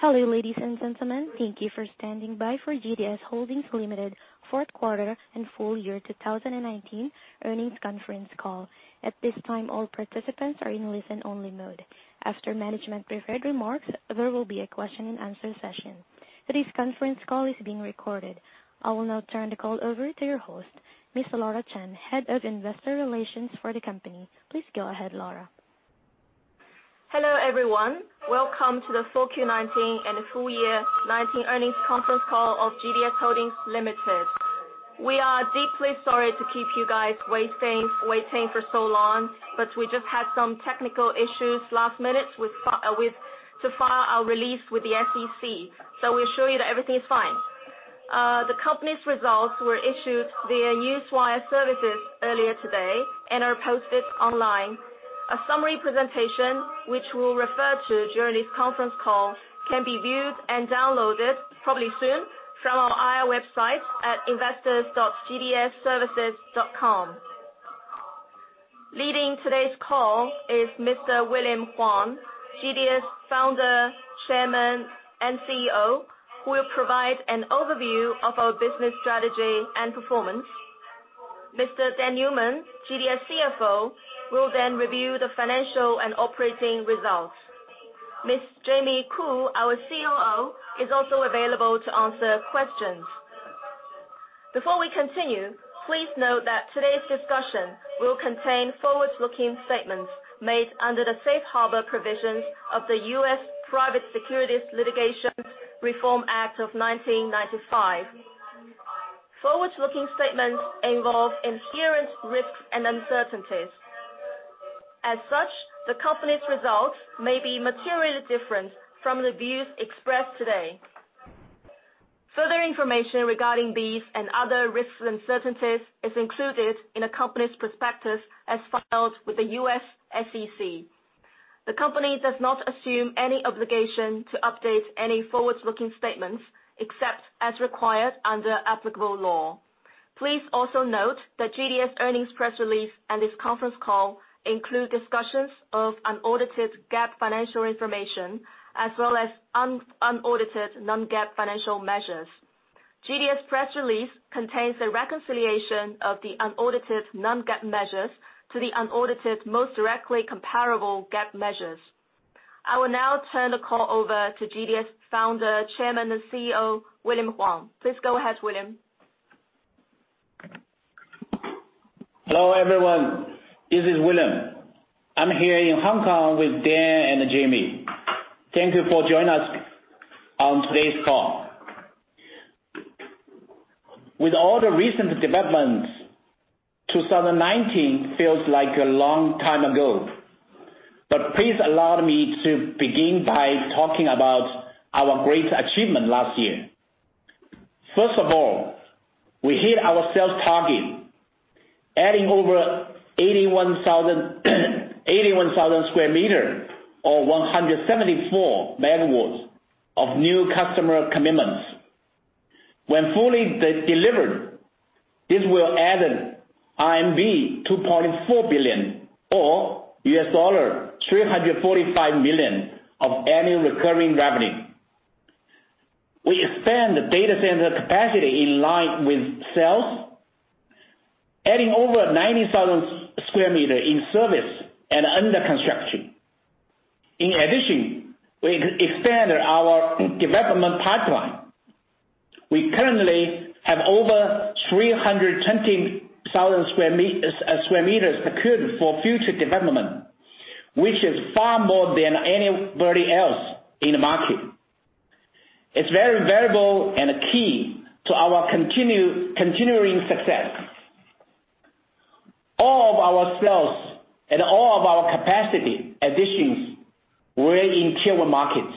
Hello, ladies and gentlemen. Thank you for standing by for GDS Holdings Limited fourth quarter and full year 2019 earnings conference call. At this time, all participants are in listen-only mode. After management preferred remarks, there will be a question and answer session. Today's conference call is being recorded. I will now turn the call over to your host, Ms. Laura Chen, Head of Investor Relations for the company. Please go ahead, Laura. Hello, everyone. Welcome to the full Q 2019 and full year 2019 earnings conference call of GDS Holdings Limited. We are deeply sorry to keep you guys waiting for so long. We just had some technical issues last minute to file our release with the SEC. We assure you that everything is fine. The company's results were issued via Newswire Services earlier today and are posted online. A summary presentation, which we'll refer to during this conference call, can be viewed and downloaded probably soon from our IR website at investors.gdsservices.com. Leading today's call is Mr. William Huang, GDS Founder, Chairman, and CEO, who will provide an overview of our business strategy and performance. Mr. Dan Newman, GDS CFO, will then review the financial and operating results. Ms. Jamie Koo, our COO, is also available to answer questions. Before we continue, please note that today's discussion will contain forward-looking statements made under the Safe Harbor provisions of the U.S. Private Securities Litigation Reform Act of 1995. Forward-looking statements involve inherent risks and uncertainties. As such, the company's results may be materially different from the views expressed today. Further information regarding these and other risks and uncertainties is included in the company's prospectus as filed with the U.S. SEC. The company does not assume any obligation to update any forward-looking statements, except as required under applicable law. Please also note that GDS earnings press release and this conference call include discussions of unaudited GAAP financial information as well as unaudited non-GAAP financial measures. GDS press release contains a reconciliation of the unaudited non-GAAP measures to the unaudited most directly comparable GAAP measures. I will now turn the call over to GDS Founder, Chairman, and CEO, William Huang. Please go ahead, William. Hello, everyone. This is William. I'm here in Hong Kong with Dan and Jamie. Thank you for joining us on today's call. With all the recent developments, 2019 feels like a long time ago. Please allow me to begin by talking about our great achievement last year. First of all, we hit our sales target, adding over 81,000 sq m or 174 MW of new customer commitments. When fully delivered, this will add RMB 2.4 billion or US$345 million of annual recurring revenue. We expand the data center capacity in line with sales, adding over 90,000 sq m in service and under construction. In addition, we expanded our development pipeline. We currently have over 320,000 sq m procured for future development, which is far more than anybody else in the market. It's very valuable and key to our continuing success. All of our sales and all of our capacity additions were in Tier 1 markets.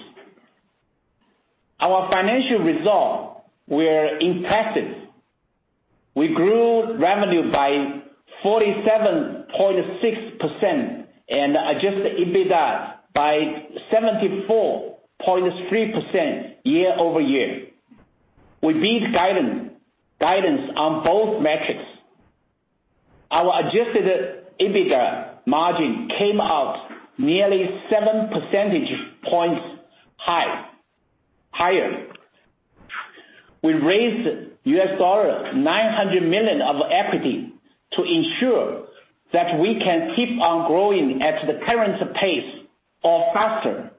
Our financial results were impressive. We grew revenue by 47.6% and adjusted EBITDA by 74.3% year-over-year. We beat guidance on both metrics. Our adjusted EBITDA margin came out nearly seven percentage points higher. We raised $900 million of equity to ensure that we can keep on growing at the current pace or faster.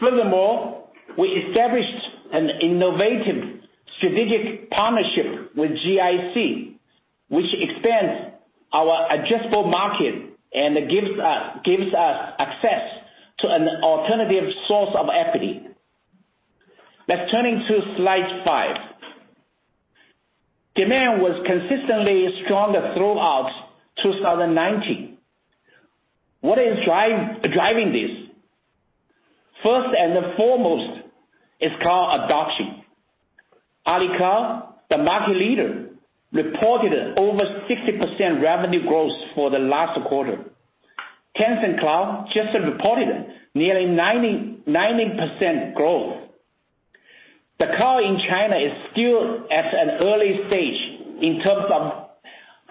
Furthermore, we established an innovative strategic partnership with GIC, which expands our addressable market and gives us access to an alternative source of equity. Let's turning to slide five. Demand was consistently strong throughout 2019. What is driving this? First and foremost is cloud adoption. Alibaba, the market leader, reported over 60% revenue growth for the last quarter. Tencent Cloud just reported nearly 90% growth. The cloud in China is still at an early stage in terms of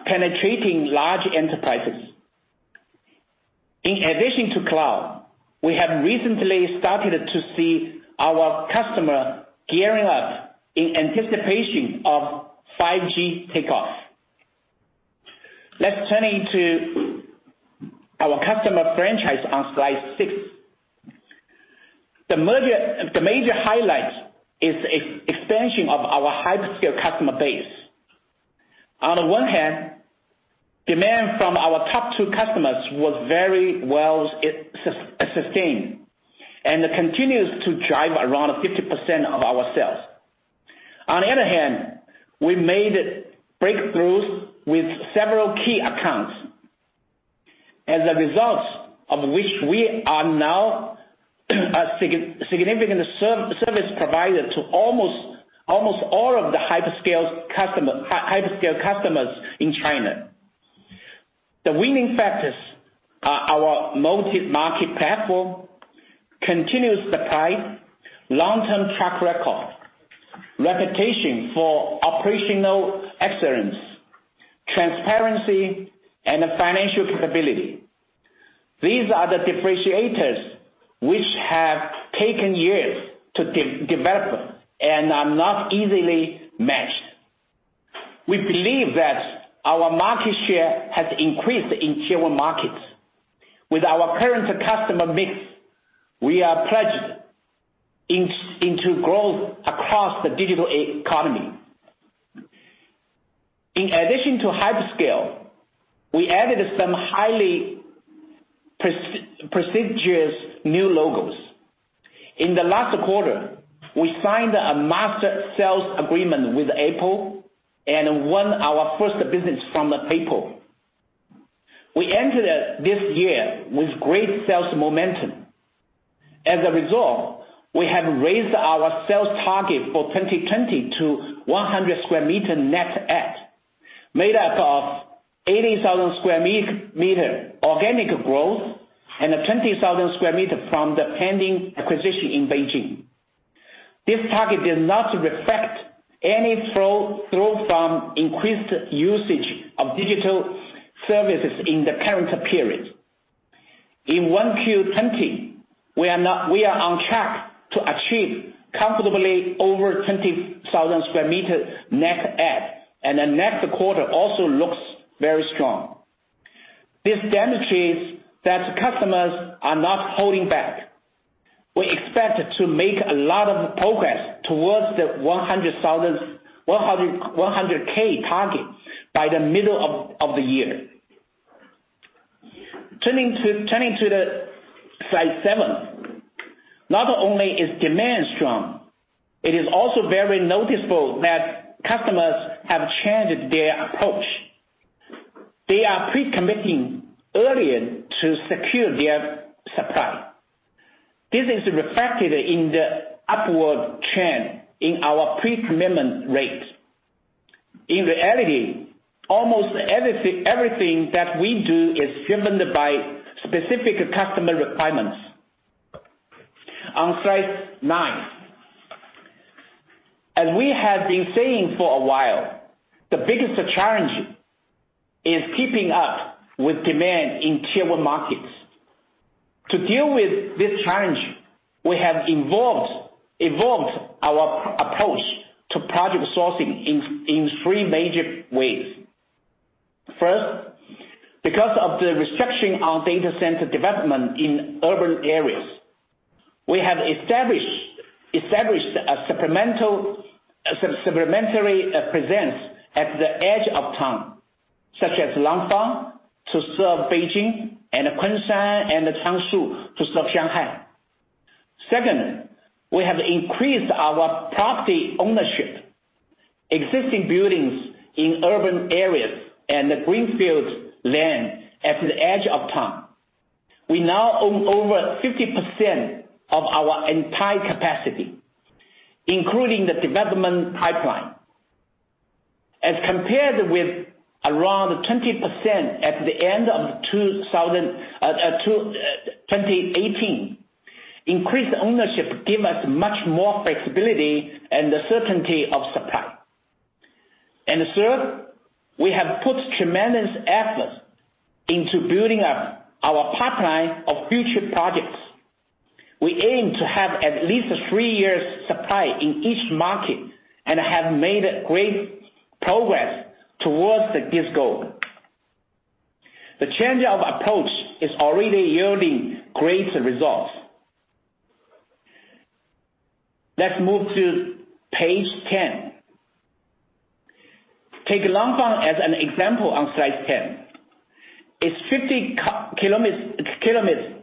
penetrating large enterprises. In addition to cloud, we have recently started to see our customer gearing up in anticipation of 5G takeoff. Let's turn into our customer franchise on slide six. The major highlight is expansion of our hyperscale customer base. On the one hand, demand from our top two customers was very well sustained, and continues to drive around 50% of our sales. On the other hand, we made breakthroughs with several key accounts. As a result of which we are now a significant service provider to almost all of the hyperscale customers in China. The winning factors are our multi-market platform, continuous supply, long-term track record, reputation for operational excellence, transparency, and financial capability. These are the differentiators which have taken years to develop and are not easily matched. We believe that our market share has increased in Tier 1 markets. With our current customer mix, we are pledged into growth across the digital economy. In addition to hyperscale, we added some highly prestigious new logos. In the last quarter, we signed a master sales agreement with Apple and won our first business from Apple. We entered this year with great sales momentum. As a result, we have raised our sales target for 2020 to 100, 000 square meter net add, made up of 80,000 square meter organic growth and 20,000 square meter from the pending acquisition in Beijing. This target does not reflect any flow through from increased usage of digital services in the current period. In Q1 20, we are on track to achieve comfortably over 20,000 square meter net add, and the next quarter also looks very strong. This demonstrates that customers are not holding back. We expect to make a lot of progress towards the 100K target by the middle of the year. Turning to slide seven. Not only is demand strong, it is also very noticeable that customers have changed their approach. They are pre-committing earlier to secure their supply. This is reflected in the upward trend in our pre-commitment rates. In reality, almost everything that we do is driven by specific customer requirements. On slide nine. As we have been saying for a while, the biggest challenge is keeping up with demand in Tier 1 markets. To deal with this challenge, we have evolved our approach to project sourcing in three major ways. First, because of the restriction on data center development in urban areas, we have established a supplementary presence at the edge of town, such as Langfang to serve Beijing, and Kunshan and Changshu to serve Shanghai. Second, we have increased our property ownership, existing buildings in urban areas and greenfield land at the edge of town. We now own over 50% of our entire capacity, including the development pipeline. As compared with around 20% at the end of 2018, increased ownership give us much more flexibility and the certainty of supply. Third, we have put tremendous effort into building up our pipeline of future projects. We aim to have at least three years supply in each market and have made great progress towards this goal. The change of approach is already yielding great results. Let's move to page 10. Take Langfang as an example on slide 10. It's 50 kilometers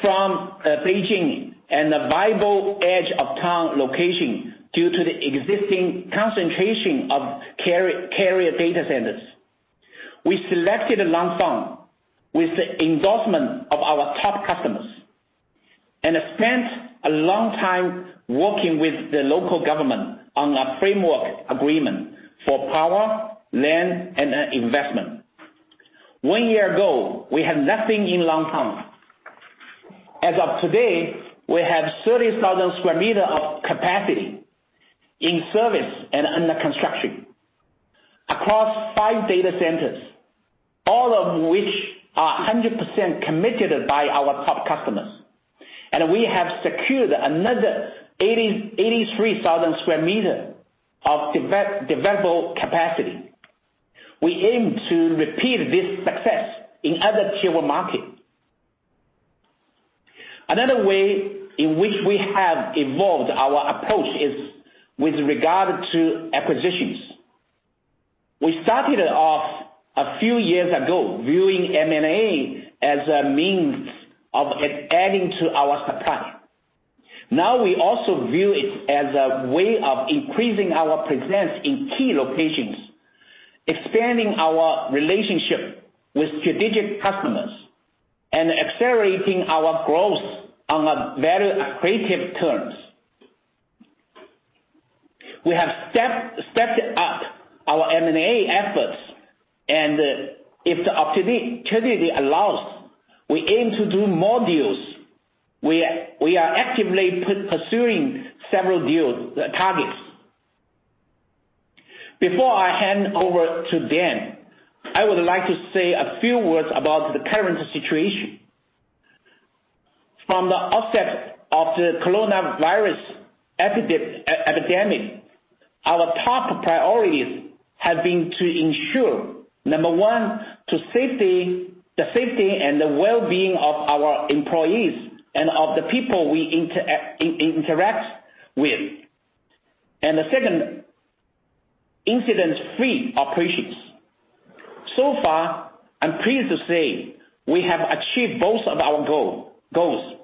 from Beijing and a viable edge of town location due to the existing concentration of carrier data centers. We selected Langfang with the endorsement of our top customers and spent a long time working with the local government on a framework agreement for power, land, and investment. One year ago, we had nothing in Langfang. As of today, we have 30,000 square meter of capacity in service and under construction across five data centers, all of which are 100% committed by our top customers. We have secured another 83,000 square meter of developable capacity. We aim to repeat this success in other Tier 1 markets. Another way in which we have evolved our approach is with regard to acquisitions. We started off a few years ago viewing M&A as a means of adding to our supply. Now we also view it as a way of increasing our presence in key locations, expanding our relationship with strategic customers, and accelerating our growth on very accretive terms. We have stepped up our M&A efforts. If the opportunity allows, we aim to do more deals. We are actively pursuing several deals, targets. Before I hand over to Dan, I would like to say a few words about the current situation. From the outset of the COVID-19, our top priorities have been to ensure, number one, the safety and the well-being of our employees and of the people we interact with. The second, incident-free operations. So far, I'm pleased to say we have achieved both of our goals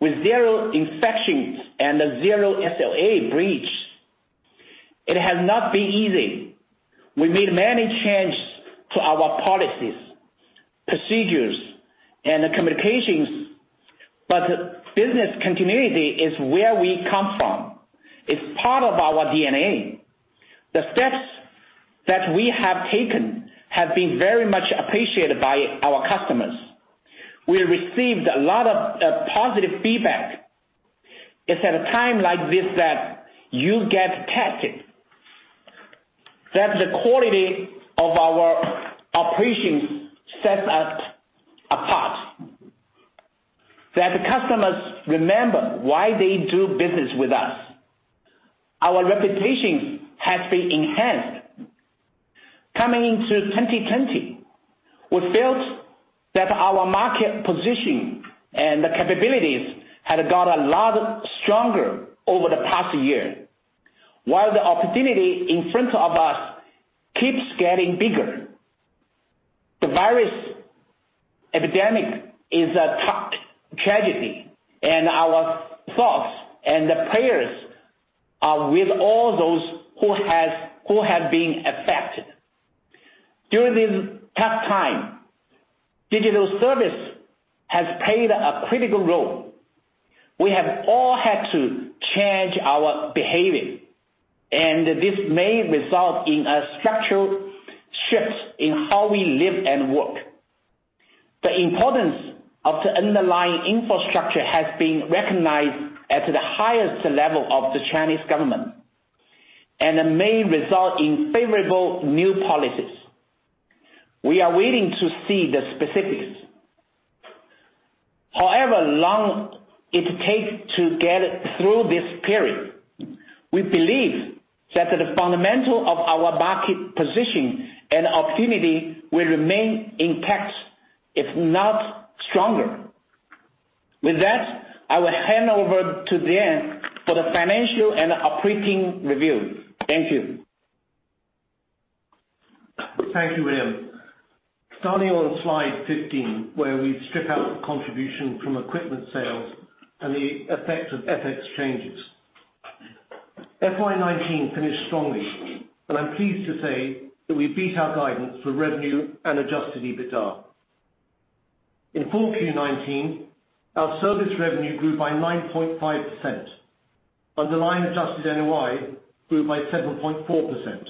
with zero infections and zero SLA breach. It has not been easy. We made many changes to our policies, procedures, and communications. Business continuity is where we come from. It's part of our DNA. The steps that we have taken have been very much appreciated by our customers. We received a lot of positive feedback. It's at a time like this that you get tested. That the quality of our operations sets us apart. That customers remember why they do business with us. Our reputation has been enhanced. Coming into 2020, we felt that our market position and capabilities had got a lot stronger over the past year, while the opportunity in front of us keeps getting bigger. The virus epidemic is a tragedy, and our thoughts and prayers are with all those who have been affected. During this tough time, digital service has played a critical role. We have all had to change our behavior, and this may result in a structural shift in how we live and work. The importance of the underlying infrastructure has been recognized at the highest level of the Chinese government, and may result in favorable new policies. We are waiting to see the specifics. However long it takes to get through this period, we believe that the fundamental of our market position and opportunity will remain intact, if not stronger. With that, I will hand over to Dan for the financial and operating review. Thank you. Thank you, William. Starting on slide 15, where we strip out the contribution from equipment sales and the effect of FX changes. FY2019 finished strongly, and I'm pleased to say that we beat our guidance for revenue and adjusted EBITDA. In full 4Q2019, our service revenue grew by 9.5%. Underlying adjusted NOI grew by 7.4%,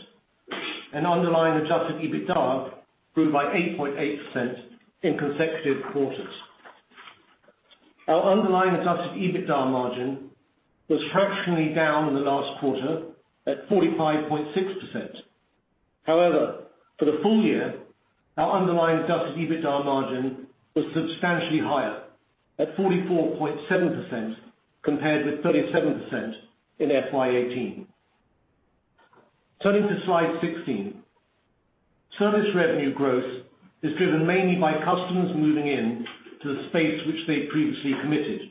and underlying adjusted EBITDA grew by 8.8% in consecutive quarters. Our underlying adjusted EBITDA margin was fractionally down in the last quarter at 45.6%. For the full year, our underlying adjusted EBITDA margin was substantially higher at 44.7%, compared with 37% in FY2018. Turning to slide 16. Service revenue growth is driven mainly by customers moving in to the space which they previously committed.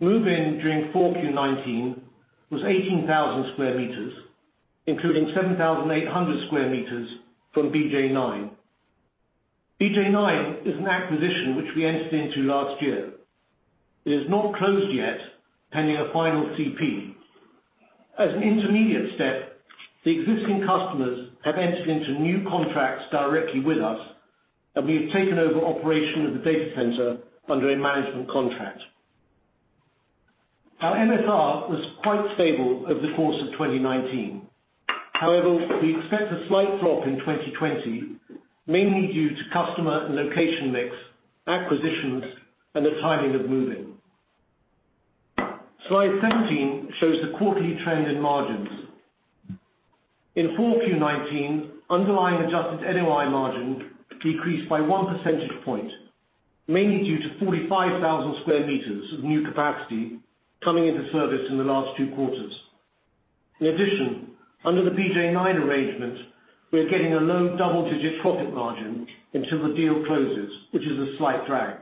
Move-in during 4Q2019 was 18,000 square meters, including 7,800 square meters from BJ9. BJ9 is an acquisition which we entered into last year. It is not closed yet, pending a final CP. As an intermediate step, the existing customers have entered into new contracts directly with us, and we have taken over operation of the data center under a management contract. Our MSR was quite stable over the course of 2019. We expect a slight drop in 2020, mainly due to customer and location mix, acquisitions, and the timing of moving. Slide 17 shows the quarterly trend in margins. In 4Q2019, underlying adjusted NOI margin decreased by one percentage point, mainly due to 45,000 sq m of new capacity coming into service in the last two quarters. Under the BJ9 arrangement, we are getting a low double-digit profit margin until the deal closes, which is a slight drag.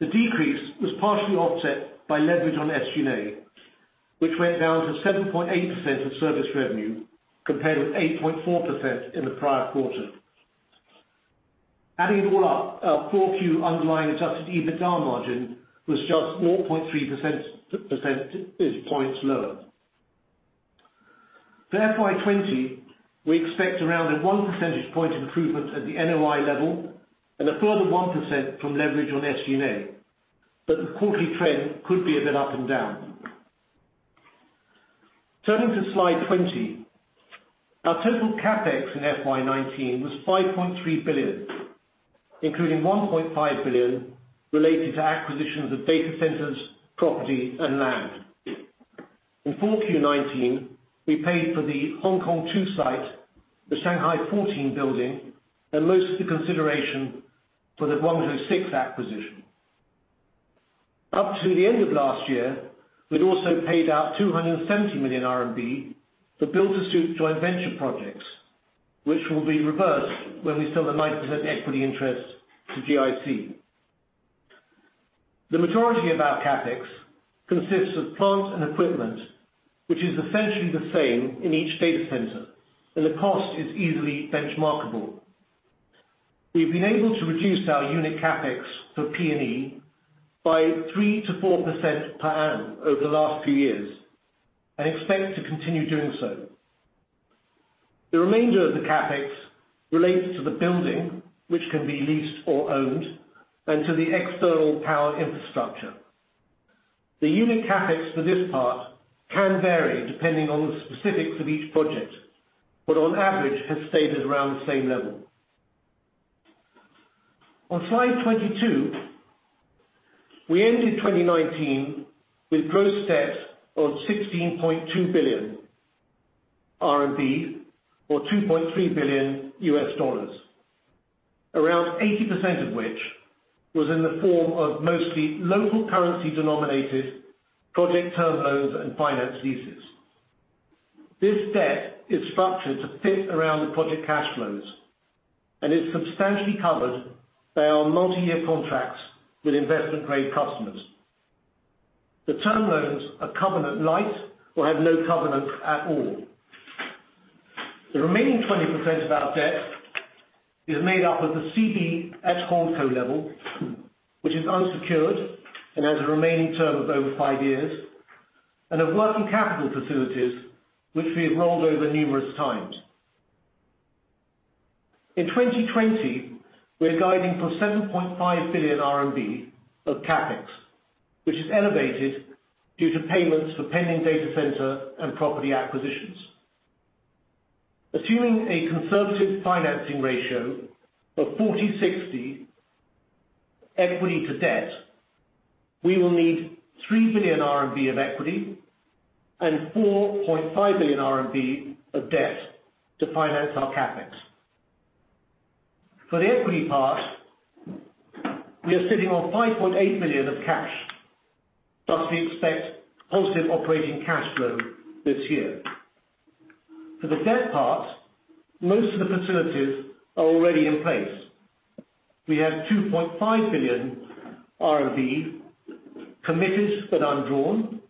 The decrease was partially offset by leverage on SGA, which went down to 7.8% of service revenue, compared with 8.4% in the prior quarter. Adding it all up, our 4Q underlying adjusted EBITDA margin was just 0.3 percentage points lower. For FY20, we expect around a one percentage point improvement at the NOI level and a further 1% from leverage on SGA, but the quarterly trend could be a bit up and down. Turning to slide 20. Our total CapEx in FY2019 was 5.3 billion, including 1.5 billion related to acquisitions of data centers, property, and land. In 4Q2019, we paid for the Hong Kong two site, the Shanghai 14 building, and most of the consideration for the Guangzhou six acquisition. Up to the end of last year, we had also paid out 270 million RMB for build to suit joint venture projects, which will be reversed when we sell the 90% equity interest to GIC. The majority of our CapEx consists of plant and equipment, which is essentially the same in each data center, and the cost is easily benchmarkable. We have been able to reduce our unit CapEx for P&E by 3%-4% per annum over the last few years and expect to continue doing so. The remainder of the CapEx relates to the building, which can be leased or owned, and to the external power infrastructure. The unit CapEx for this part can vary depending on the specifics of each project, but on average has stayed at around the same level. On slide 22, we ended 2019 with gross debt of 16.2 billion RMB or 2.3 billion US dollars, around 80% of which was in the form of mostly local currency denominated project term loans and finance leases. This debt is structured to fit around the project cash flows and is substantially covered by our multi-year contracts with investment grade customers. The term loans are covenant light or have no covenant at all. The remaining 20% of our debt is made up at the CB at HoldCo level, which is unsecured and has a remaining term of over five years, and of working capital facilities which we have rolled over numerous times. In 2020, we're guiding for 7.5 billion RMB of CapEx, which is elevated due to payments for pending data center and property acquisitions. Assuming a conservative financing ratio of 40/60 equity to debt, we will need 3 billion RMB of equity and 4.5 billion RMB of debt to finance our CapEx. For the equity part, we are sitting on 5.8 billion of cash, thus we expect positive operating cash flow this year. For the debt part, most of the facilities are already in place. We have 2.5 billion RMB committed but undrawn,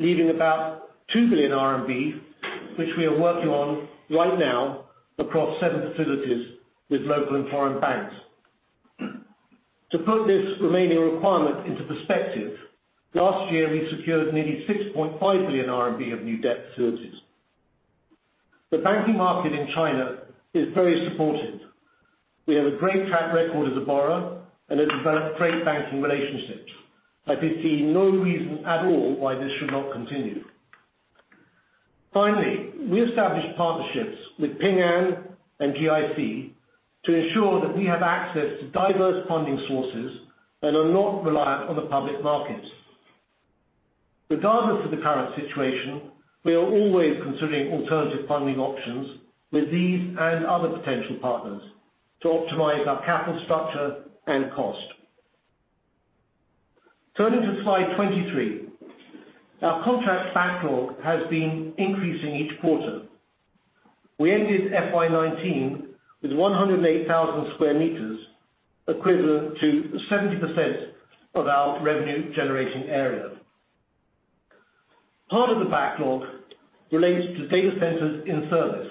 leaving about 2 billion RMB, which we are working on right now across seven facilities with local and foreign banks. To put this remaining requirement into perspective, last year we secured nearly 6.5 billion RMB of new debt facilities. The banking market in China is very supportive. We have a great track record as a borrower and have developed great banking relationships. I can see no reason at all why this should not continue. Finally, we established partnerships with Ping An and GIC to ensure that we have access to diverse funding sources and are not reliant on the public markets. Regardless of the current situation, we are always considering alternative funding options with these and other potential partners to optimize our capital structure and cost. Turning to slide 23. Our contract backlog has been increasing each quarter. We ended FY 2019 with 108,000 sq m, equivalent to 70% of our revenue generating area. Part of the backlog relates to data centers in service.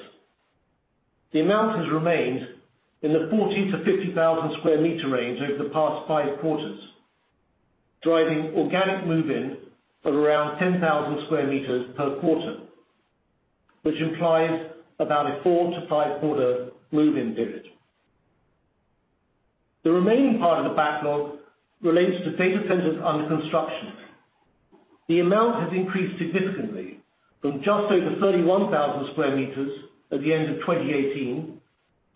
The amount has remained in the 40,000-50,000 sq m range over the past five quarters, driving organic move-in of around 10,000 sq m per quarter, which implies about a four to five quarter move-in period. The remaining part of the backlog relates to data centers under construction. The amount has increased significantly from just over 31,000 square meters at the end of 2018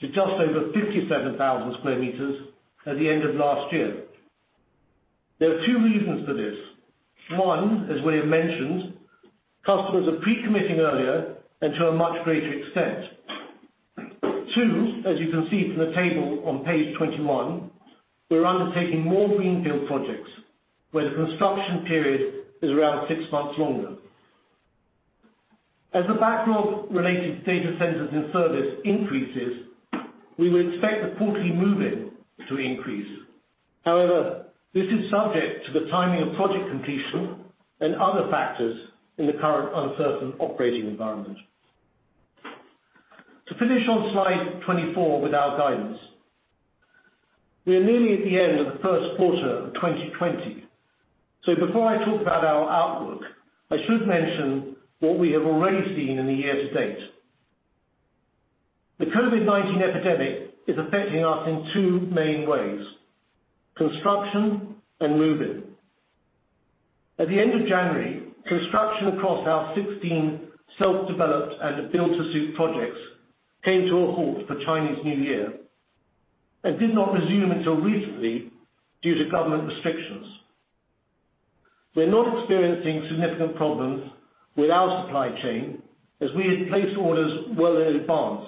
to just over 57,000 square meters at the end of last year. There are two reasons for this. One, as William mentioned, customers are pre-committing earlier and to a much greater extent. Two, as you can see from the table on page 21, we're undertaking more greenfield projects where the construction period is around six months longer. As the backlog related to data centers in service increases, we would expect the quarterly move-in to increase. However, this is subject to the timing of project completion and other factors in the current uncertain operating environment. To finish on slide 24 with our guidance. We are nearly at the end of the first quarter of 2020. Before I talk about our outlook, I should mention what we have already seen in the year to date. The COVID-19 epidemic is affecting us in two main ways, construction and move-in. At the end of January, construction across our 16 self-developed and build-to-suit projects came to a halt for Chinese New Year and did not resume until recently due to government restrictions. We're not experiencing significant problems with our supply chain as we had placed orders well in advance.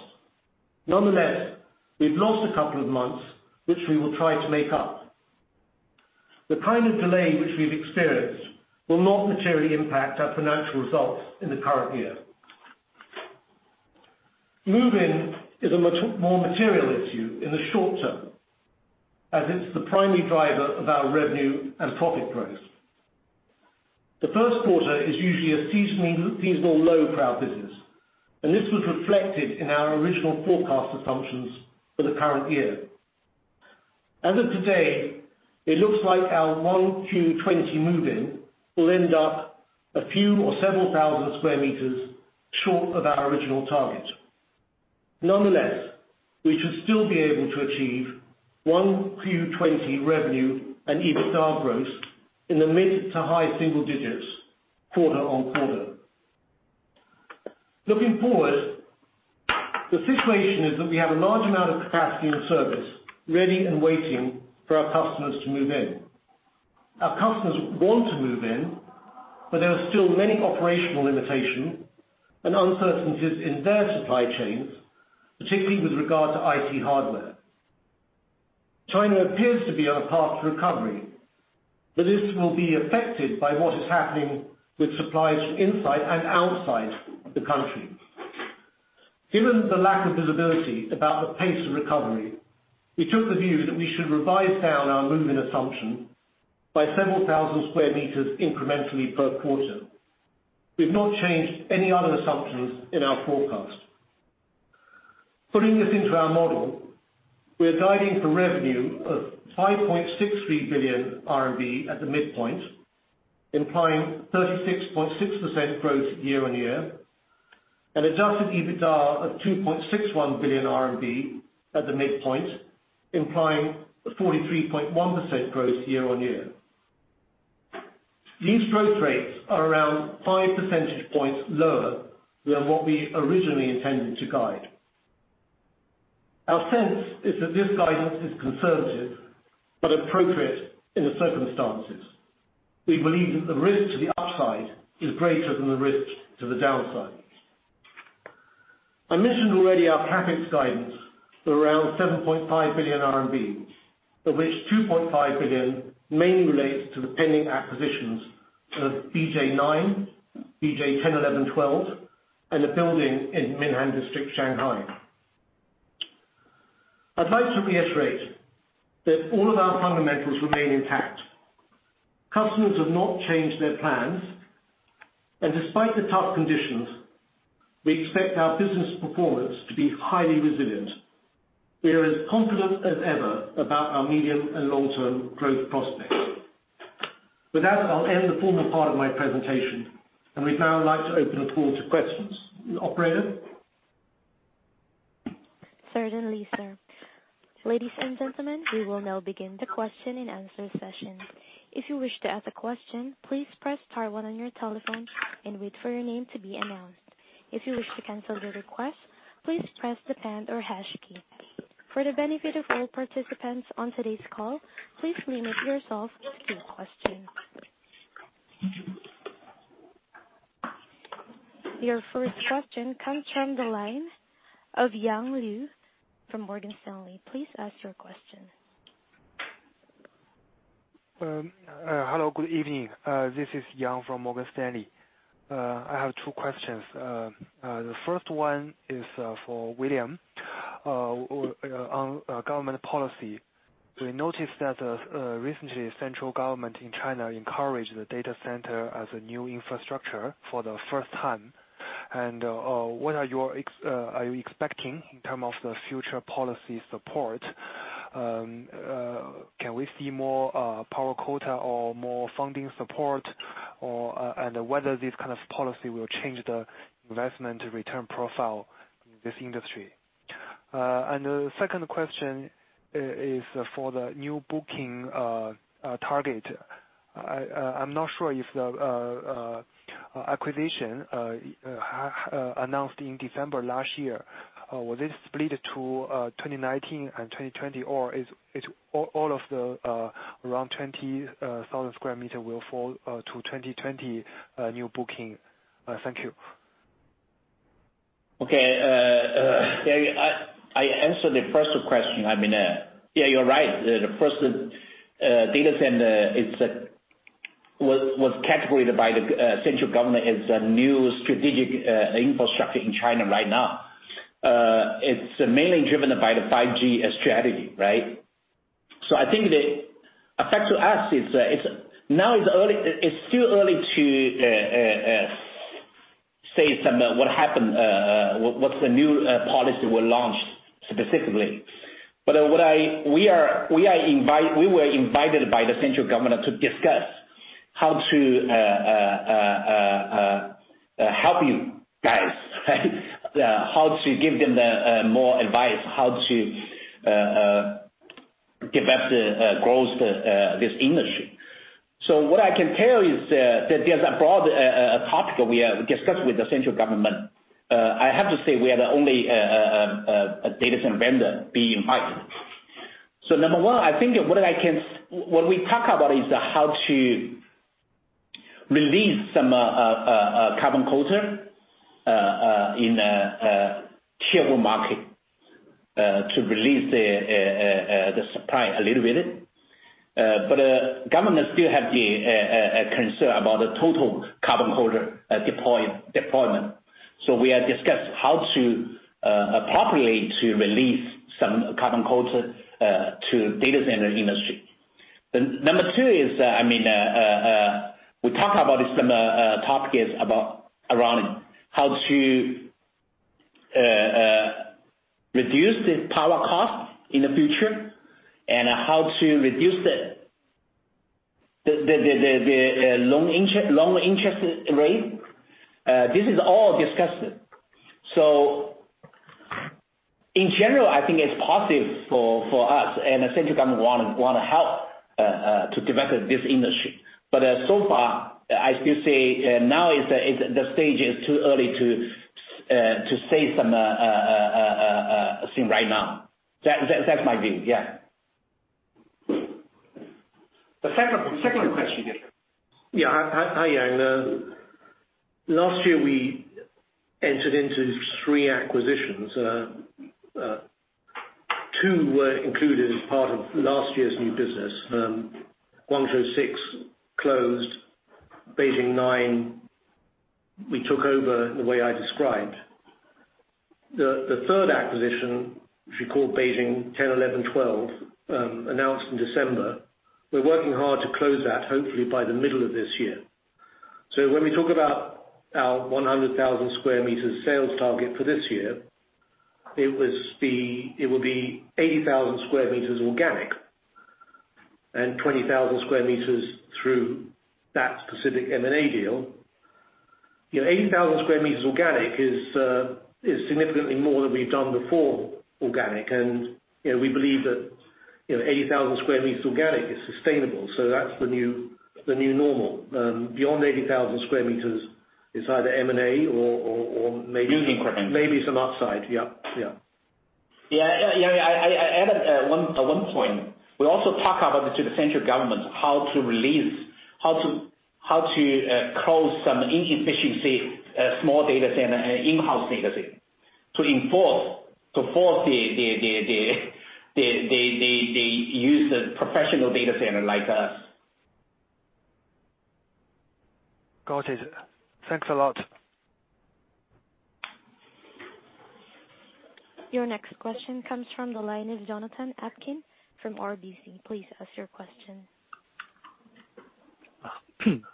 Nonetheless, we've lost a couple of months, which we will try to make up. The kind of delay which we've experienced will not materially impact our financial results in the current year. Move-in is a much more material issue in the short term, as it's the primary driver of our revenue and profit growth. The first quarter is usually a seasonal low for our business, and this was reflected in our original forecast assumptions for the current year. As of today, it looks like our 1Q 2020 move-in will end up a few or several thousand square meters short of our original target. Nonetheless, we should still be able to achieve 1Q 2020 revenue and EBITDA growth in the mid to high single digits quarter-on-quarter. Looking forward, the situation is that we have a large amount of capacity and service ready and waiting for our customers to move in. Our customers want to move in, there are still many operational limitations and uncertainties in their supply chains, particularly with regard to IT hardware. China appears to be on a path to recovery, this will be affected by what is happening with suppliers inside and outside the country. Given the lack of visibility about the pace of recovery, we took the view that we should revise down our move-in assumption by several thousand square meters incrementally per quarter. We've not changed any other assumptions in our forecast. Putting this into our model, we're guiding for revenue of 5.63 billion RMB at the midpoint, implying 36.6% growth year-over-year, and adjusted EBITDA of 2.61 billion RMB at the midpoint, implying a 43.1% growth year-over-year. These growth rates are around five percentage points lower than what we originally intended to guide. Our sense is that this guidance is conservative but appropriate in the circumstances. We believe that the risk to the upside is greater than the risk to the downside. I mentioned already our CapEx guidance of around 7.5 billion RMB, of which 2.5 billion mainly relates to the pending acquisitions of BJ9, BJ10, 11, 12, and a building in Minhang District, Shanghai. I'd like to reiterate that all of our fundamentals remain intact. Customers have not changed their plans, and despite the tough conditions, we expect our business performance to be highly resilient. We are as confident as ever about our medium and long-term growth prospects. With that, I'll end the formal part of my presentation, and we'd now like to open the floor to questions. Operator? Certainly, sir. Ladies and gentlemen, we will now begin the question and answer session. If you wish to ask a question, please press star one on your telephone and wait for your name to be announced. If you wish to cancel the request, please press the pound or hash key. For the benefit of all participants on today's call, please limit yourself to a question. Your first question comes from the lines of Yang Liu from Morgan Stanley. Please ask your question. Hello, good evening. This is Yang from Morgan Stanley. I have two questions. The first one is for William, on government policy. We noticed that recently, Central Government in China encouraged the data center as a new infrastructure for the first time. What are you expecting in term of the future policy support? Can we see more power quota or more funding support, and whether this kind of policy will change the investment return profile in this industry? The second question is for the new booking target. I'm not sure if the acquisition announced in December last year, was this split to 2019 and 2020, or is it all of the around 20,000 sq m will fall to 2020 new booking? Thank you. I answer the first question. Yeah, you are right. The first data center was categorized by the Central Government as a new strategic infrastructure in China right now. It's mainly driven by the 5G strategy. I think the effect to us, now it's still early to say some what happened, what the new policy will launch specifically. We were invited by the Central Government to discuss how to help you guys. How to give them more advice, how to develop the growth, this industry. What I can tell is that there's a broad topic that we have discussed with the Central Government. I have to say, we are the only data center vendor being invited. Number 1, I think what we talk about is how to release some carbon quota in Tier 1 market to release the supply a little bit. Government still have the concern about the total carbon quota deployment. We have discussed how to appropriately to release some carbon quota to data center industry. Number two is, we talk about some topics around how to reduce the power cost in the future, and how to reduce the loan interest rate. This is all discussed. In general, I think it's positive for us, and the Central Government want to help to develop this industry. So far, I still say now the stage is too early to say something right now. That's my view. Yeah. The second question. Yeah. Hi, Yang. Last year we entered into three acquisitions. Two were included as part of last year's new business. 106 closed Beijing 9, we took over the way I described. The third acquisition, which we call Beijing 10, 11, 12, announced in December, we're working hard to close that hopefully by the middle of this year. When we talk about our 100,000 square meters sales target for this year, it will be 80,000 square meters organic and 20,000 square meters through that specific M&A deal. 80,000 square meters organic is significantly more than we've done before organic, and we believe that 80,000 square meters organic is sustainable. That's the new normal. Beyond 80,000 square meters is either M&A. New acquisitions. Maybe some upside. Yeah. Yeah. I added one point. We also talk about it to the Central Government, how to release, how to close some inefficiency small data center and in-house data center to force the use of professional data center like us. Got it. Thanks a lot. Your next question comes from the line of Jonathan Atkin from RBC. Please ask your question.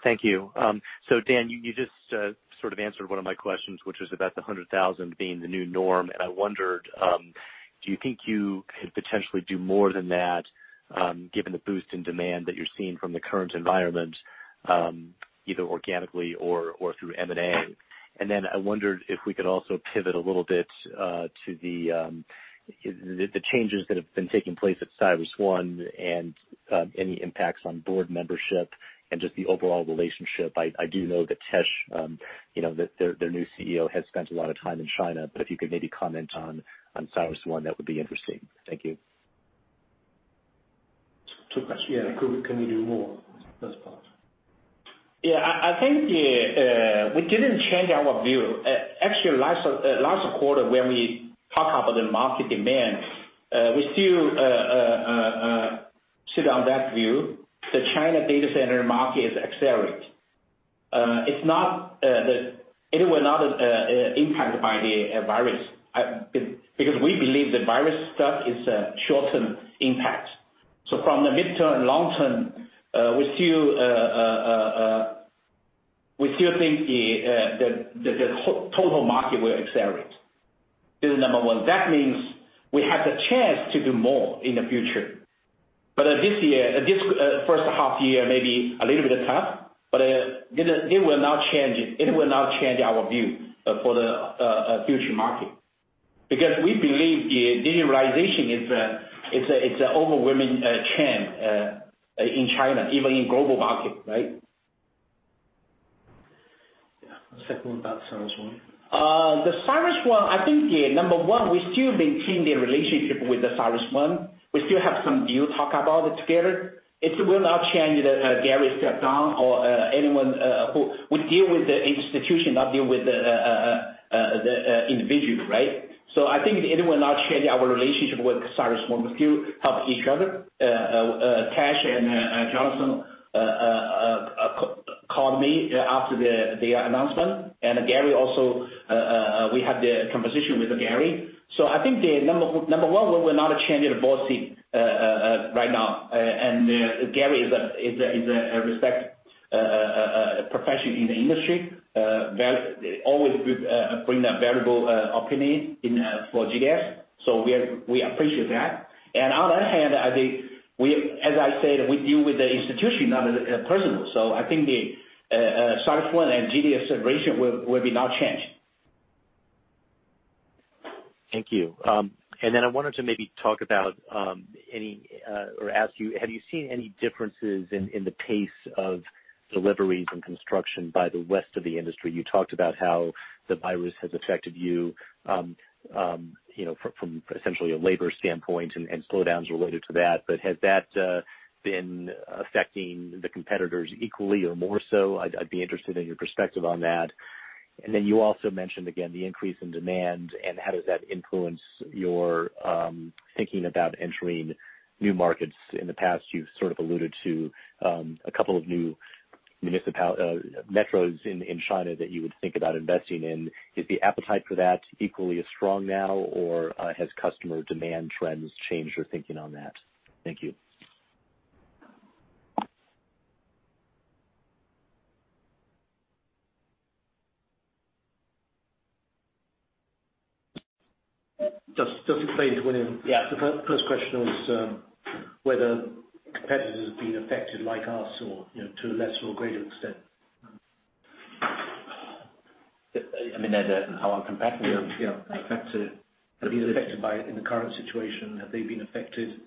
Thank you. Dan, you just sort of answered one of my questions, which was about the 100,000 being the new norm, and I wondered, do you think you could potentially do more than that given the boost in demand that you're seeing from the current environment, either organically or through M&A? I wondered if we could also pivot a little bit to the changes that have been taking place at CyrusOne and any impacts on board membership and just the overall relationship. I do know that Tesh, their new CEO, has spent a lot of time in China, but if you could maybe comment on CyrusOne, that would be interesting. Thank you. Two questions. Can we do more? First part. Yeah, I think we didn't change our view. Actually, last quarter, when we talk about the market demand, we still sit on that view. The China data center market is accelerated. It was not impacted by the virus. We believe the virus stuff is a short-term impact. From the midterm, long-term, we still think the total market will accelerate. This is number one. That means we have the chance to do more in the future. This first half year, maybe a little bit of tough, but it will not change our view for the future market. We believe the digitalization is a overwhelming trend in China, even in global market, right? Yeah. Second one about CyrusOne. The CyrusOne, I think, number one, we still maintain the relationship with the CyrusOne. We still have some deal talk about it together. It will not change that Gary stepped down or anyone who We deal with the institution, not deal with the individual, right? I think it will not change our relationship with CyrusOne. We still help each other. Tesh and Jonathan called me after their announcement. We had the conversation with Gary. I think number one, we will not change the board seat right now. Gary is a respected professional in the industry, always bring that variable opinion for GDS. We appreciate that. On that hand, as I said, we deal with the institution, not personal. I think the CyrusOne and GDS separation will be not changed. Thank you. I wanted to maybe talk about or ask you, have you seen any differences in the pace of deliveries and construction by the rest of the industry? You talked about how the virus has affected you from essentially a labor standpoint and slowdowns related to that. Has that been affecting the competitors equally or more so? I'd be interested in your perspective on that. You also mentioned, again, the increase in demand, and how does that influence your thinking about entering new markets? In the past, you've sort of alluded to a couple of new metros in China that you would think about investing in. Is the appetite for that equally as strong now, or has customer demand trends changed your thinking on that? Thank you. Just to be clear, William. Yeah. The first question was whether competitors have been affected like us or to a lesser or greater extent. You mean our competitor? Yeah, affected. Have you been affected by it in the current situation? Have they been affected,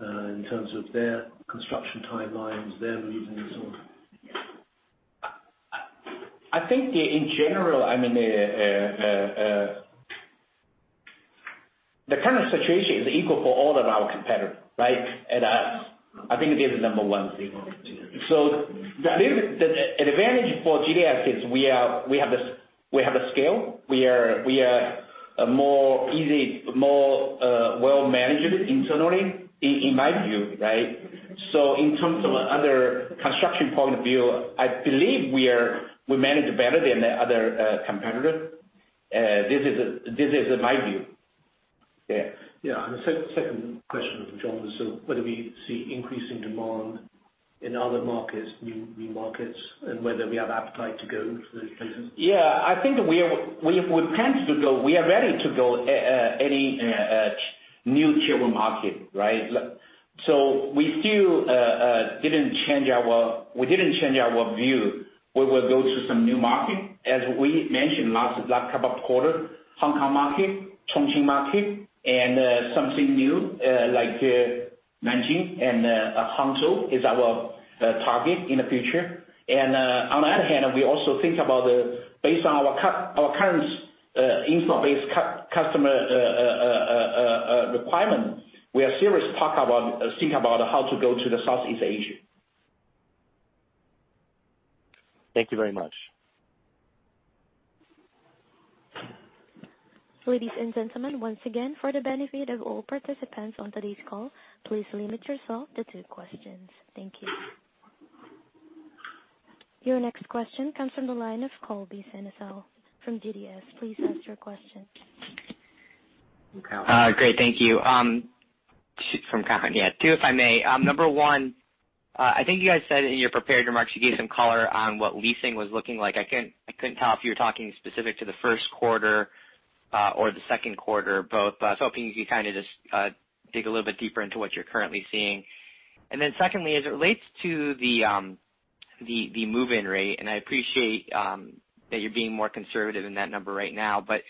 in terms of their construction timelines, them and so on? I think in general, the current situation is equal for all of our competitor, right, and us. I think this is number one. The advantage for GDS is we have the scale. We are more well-managed internally, in my view, right. In terms of other construction point of view, I believe we manage better than the other competitor. This is my view. Yeah. Yeah. The second question from Jonathan was sort of whether we see increasing demand in other markets, new markets, and whether we have appetite to go into those places. I think we are ready to go any new Tier 1 market, right? We didn't change our view. We will go to some new market. As we mentioned last couple quarter, Hong Kong market, Chongqing market, and something new, like, Nanjing and Hangzhou is our target in the future. On that hand, we also think about based on our current install-based customer requirement, we are serious think about how to go to the Southeast Asia. Thank you very much. Ladies and gentlemen, once again, for the benefit of all participants on today's call, please limit yourself to two questions. Thank you. Your next question comes from the line of Colby Synesael from Cowen. Please ask your question. From Cowen. Great. Thank you. From Cowen, yeah. Two, if I may. Number one, I think you guys said in your prepared remarks, you gave some color on what leasing was looking like. I couldn't tell if you were talking specific to the first quarter or the second quarter, both. I was hoping you could kind of just dig a little bit deeper into what you're currently seeing. Secondly, as it relates to the move-in rate, and I appreciate that you're being more conservative in that number right now, but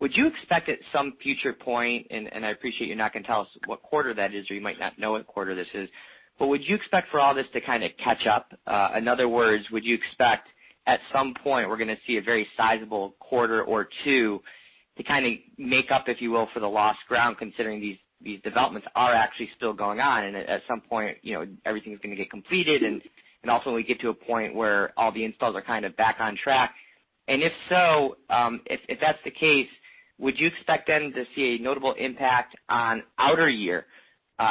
would you expect at some future point, and I appreciate you're not gonna tell us what quarter that is, or you might not know what quarter this is, but would you expect for all this to kind of catch up? In other words, would you expect at some point we're gonna see a very sizable quarter or two to kind of make up, if you will, for the lost ground, considering these developments are actually still going on, and at some point everything's gonna get completed, and also we get to a point where all the installs are kind of back on track? If so, if that's the case, would you expect then to see a notable impact on outer year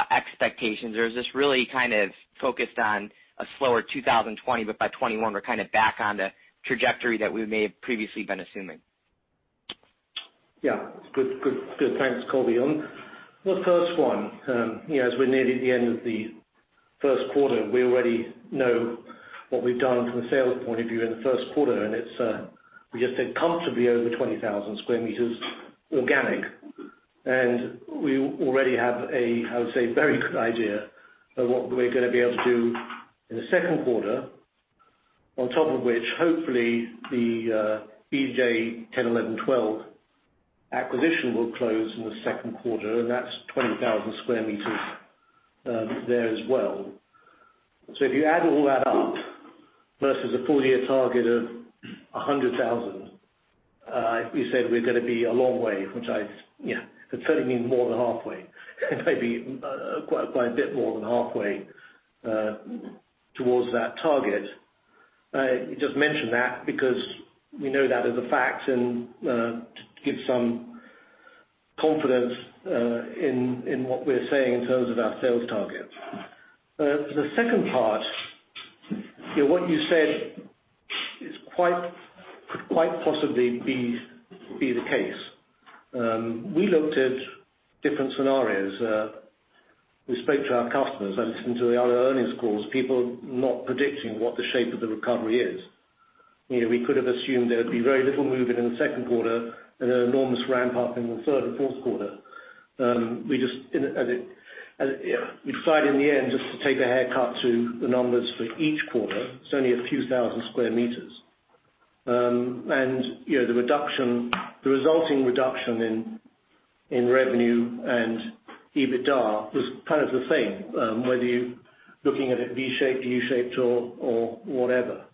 expectations, or is this really kind of focused on a slower 2020, by 2021, we're kind of back on the trajectory that we may have previously been assuming? Good, thanks, Colby Synesael. On the first one, as we're nearing the end of the first quarter, we already know what we've done from a sales point of view in the first quarter, we just said comfortably over 20,000 sq m organic. We already have, I would say, a very good idea of what we're going to be able to do in the second quarter, on top of which, hopefully, the BJ10, 11, 12 acquisition will close in the second quarter, that's 20,000 sq m there as well. If you add all that up, versus a full year target of 100,000 sq m, we said we're going to be a long way, which I certainly mean more than halfway. Maybe quite a bit more than halfway towards that target. I just mentioned that because we know that as a fact and to give some confidence in what we're saying in terms of our sales targets. The second part, what you said could quite possibly be the case. We looked at different scenarios. We spoke to our customers. I listened to the other earnings calls, people not predicting what the shape of the recovery is. We could have assumed there would be very little movement in the second quarter and an enormous ramp-up in the third and fourth quarter. We decided in the end just to take a haircut to the numbers for each quarter. It's only a few thousand sq m. The resulting reduction in revenue and EBITDA was kind of the same, whether you're looking at it V-shaped, U-shaped, or whatever.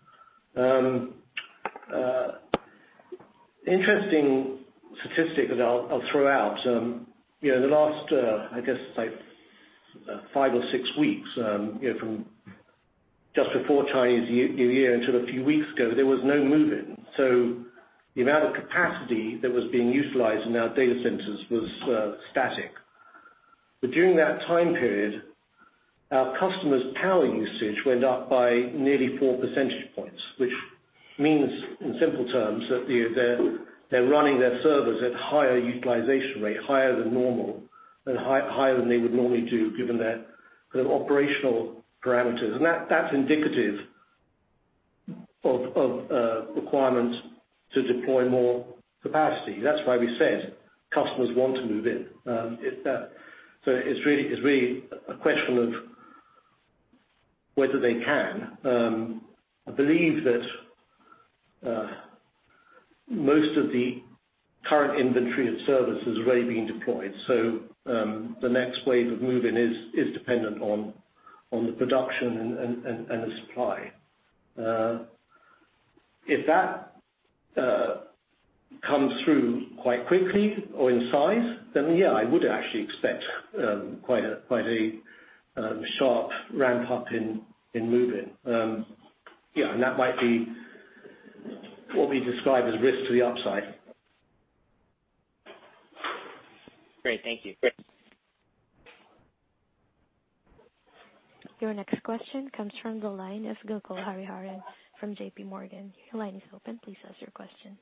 Interesting statistic that I'll throw out. The last, I guess, five or six weeks, from just before Chinese New Year until a few weeks ago, there was no move-in. The amount of capacity that was being utilized in our data centers was static. During that time period, our customers' power usage went up by nearly four percentage points, which means, in simple terms, that they're running their servers at higher utilization rate, higher than normal and higher than they would normally do given their operational parameters. That's indicative of requirements to deploy more capacity. That's why we said customers want to move in. It's really a question of whether they can. I believe that most of the current inventory of servers has already been deployed. The next wave of move-in is dependent on the production and the supply. If that comes through quite quickly or in size, yeah, I would actually expect quite a sharp ramp-up in move-in. Yeah, that might be what we describe as risk to the upside. Great. Thank you. Your next question comes from the line of Gokul Hariharan from JPMorgan. Your line is open. Please ask your question.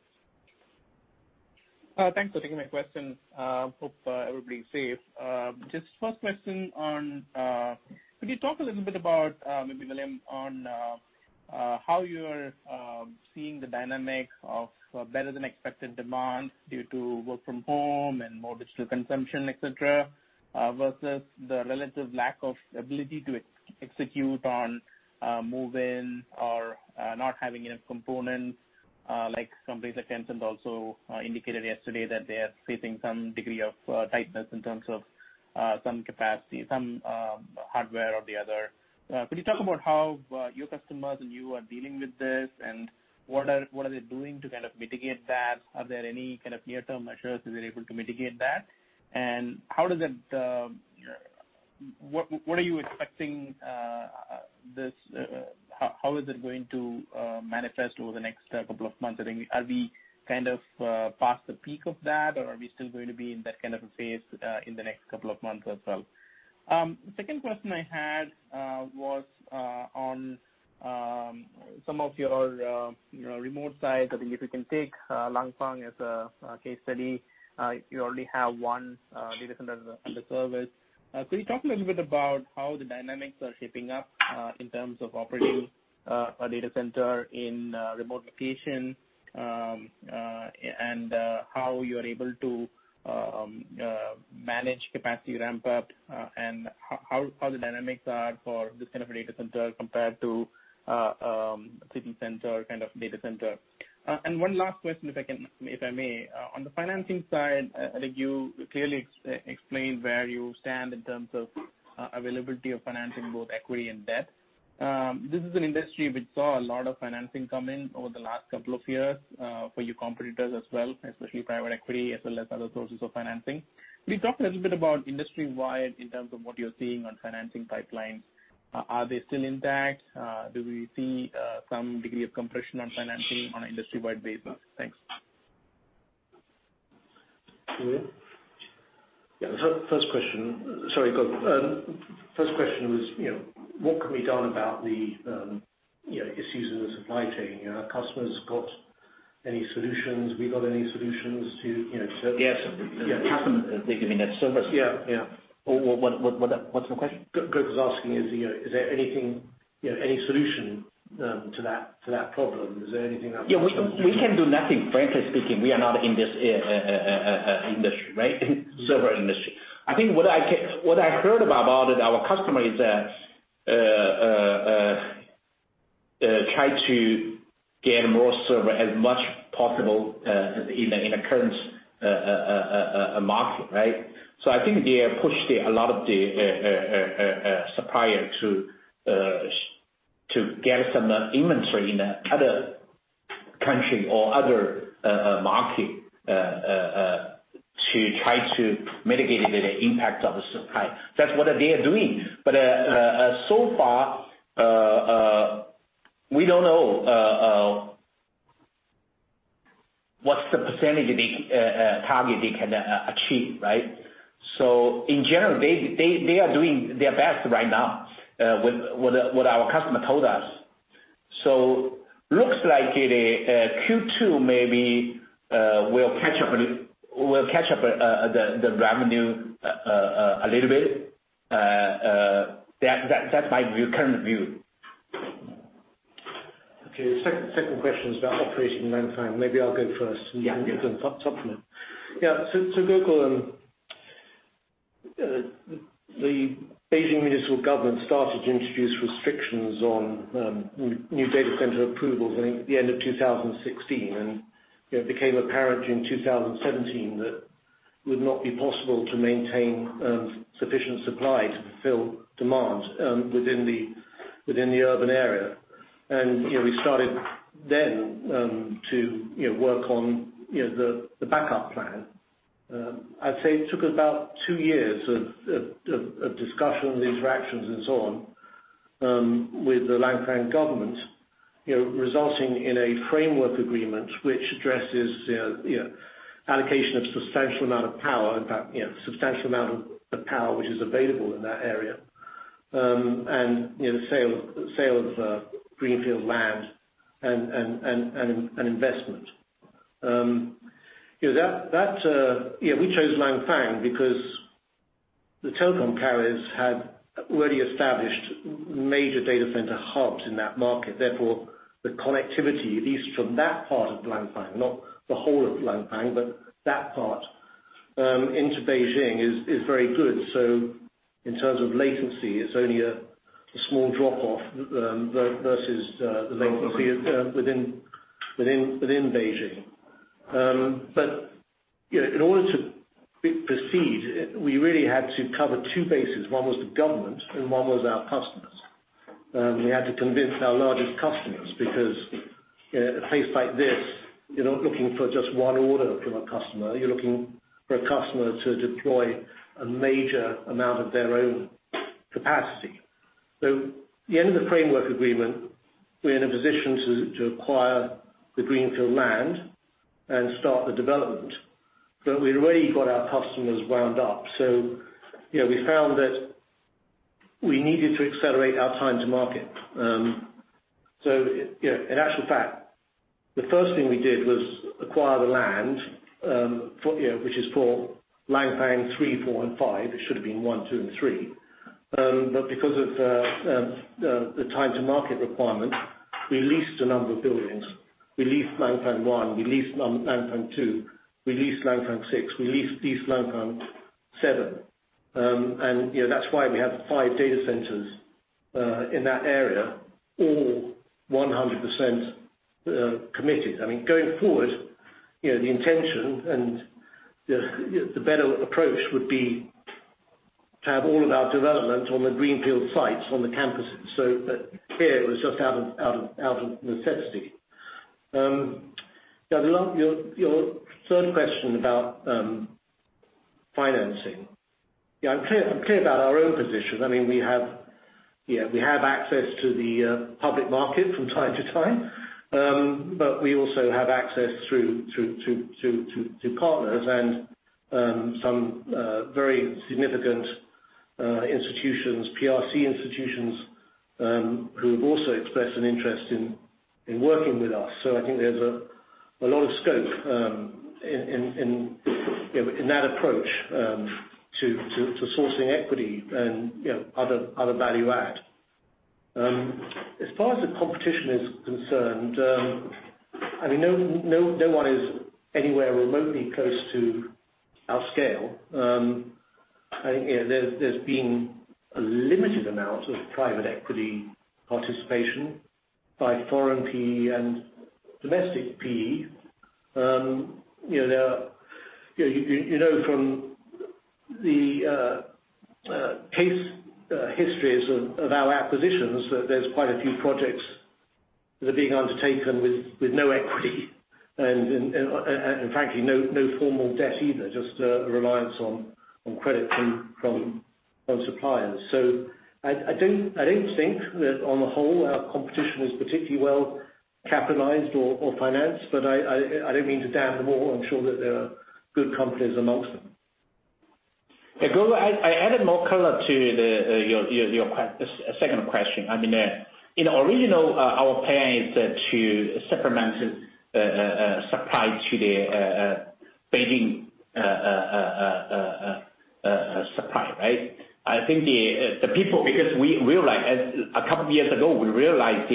Thanks for taking my question. Hope everybody's safe. Just first question on, could you talk a little bit about, maybe William, on how you're seeing the dynamic of better-than-expected demand due to work from home and more digital consumption, et cetera, versus the relative lack of ability to execute on move-in or not having enough components, like companies like Tencent also indicated yesterday that they are facing some degree of tightness in terms of some capacity, some hardware or the other. Could you talk about how your customers and you are dealing with this, and what are they doing to kind of mitigate that? Are there any kind of near-term measures that they're able to mitigate that? What are you expecting? How is it going to manifest over the next couple of months? Are we kind of past the peak of that, or are we still going to be in that kind of a phase in the next couple of months as well? Second question I had was on some of your remote sites. I think if you can take Langfang as a case study. You already have one data center under service. Could you talk a little bit about how the dynamics are shaping up in terms of operating a data center in a remote location, and how you are able to manage capacity ramp-up, and how the dynamics are for this kind of a data center compared to a city center kind of data center? One last question, if I may. On the financing side, I think you clearly explained where you stand in terms of availability of financing, both equity and debt. This is an industry which saw a lot of financing come in over the last couple of years for your competitors as well, especially private equity as well as other sources of financing. Can you talk a little bit about industry-wide in terms of what you're seeing on financing pipelines? Are they still intact? Do we see some degree of compression on financing on an industry-wide basis? Thanks. William? Yeah. First question. Sorry, Gokul. First question was, what can be done about the issues in the supply chain? Have customers got any solutions? We got any solutions to- Yes. The customers are giving us so much. Yeah. What's my question? Gokul's asking, is there any solution to that problem? Is there anything that we can do? Yeah. We can do nothing, frankly speaking. We are not in this industry, right? Server industry. I think what I heard about it, our customer is try to get more server as much possible in the current market, right? I think they push a lot of the supplier to get some inventory in other country or other market to try to mitigate the impact of the supply. That's what they are doing. So far, we don't know what's the percentage of the target they can achieve, right? In general, they are doing their best right now with what our customer told us. Looks like Q2 maybe will catch up the revenue a little bit. That's my current view. Okay. Second question is about operation Langfang. Maybe I'll go first. Yeah You can top from it. Yeah. Gokul, the Beijing municipal government started to introduce restrictions on new data center approvals in the end of 2016, and it became apparent in 2017 that it would not be possible to maintain sufficient supply to fulfill demand within the urban area. We started then to work on the backup plan. I'd say it took about two years of discussion, interactions, and so on with the Langfang government, resulting in a framework agreement which addresses allocation of substantial amount of power, in fact, substantial amount of power which is available in that area, and the sale of greenfield land and investment. We chose Langfang because the telecom carriers had already established major data center hubs in that market. Therefore, the connectivity, at least from that part of Langfang, not the whole of Langfang, but that part into Beijing is very good. In terms of latency, it's only a small drop off versus the latency within Beijing. In order to proceed, we really had to cover two bases. One was the government, and one was our customers. We had to convince our largest customers because a place like this, you're not looking for just one order from a customer, you're looking for a customer to deploy a major amount of their own capacity. At the end of the framework agreement, we're in a position to acquire the greenfield land and start the development. We'd already got our customers wound up. We found that we needed to accelerate our time to market. In actual fact, the first thing we did was acquire the land which is for Langfang 3, 4 and 5. It should've been Langfang 1, 2, and 3 Because of the time to market requirement, we leased a number of buildings. We leased Langfang 1, we leased Langfang 2, we leased Langfang 6, we leased Langfang 7. That's why we have five data centers in that area, all 100% committed. Going forward, the intention and the better approach would be to have all of our development on the greenfield sites on the campuses. That here was just out of necessity. Your third question about financing. Yeah, I'm clear about our own position. We have access to the public market from time to time. We also have access through partners and some very significant institutions, PRC institutions, who have also expressed an interest in working with us. I think there's a lot of scope in that approach to sourcing equity and other value add. As far as the competition is concerned, no one is anywhere remotely close to our scale. There's been a limited amount of private equity participation by foreign PE and domestic PE. You know from the case histories of our acquisitions, that there's quite a few projects that are being undertaken with no equity and frankly, no formal debt either, just a reliance on credit from suppliers. I don't think that on the whole, our competition is particularly well-capitalized or financed, but I don't mean to damn them all. I'm sure that there are good companies amongst them. Yeah, Gokul, I added more color to your second question. In original, our plan is to supplement supply to the Beijing supply, right? I think the people, because a couple of years ago, we realized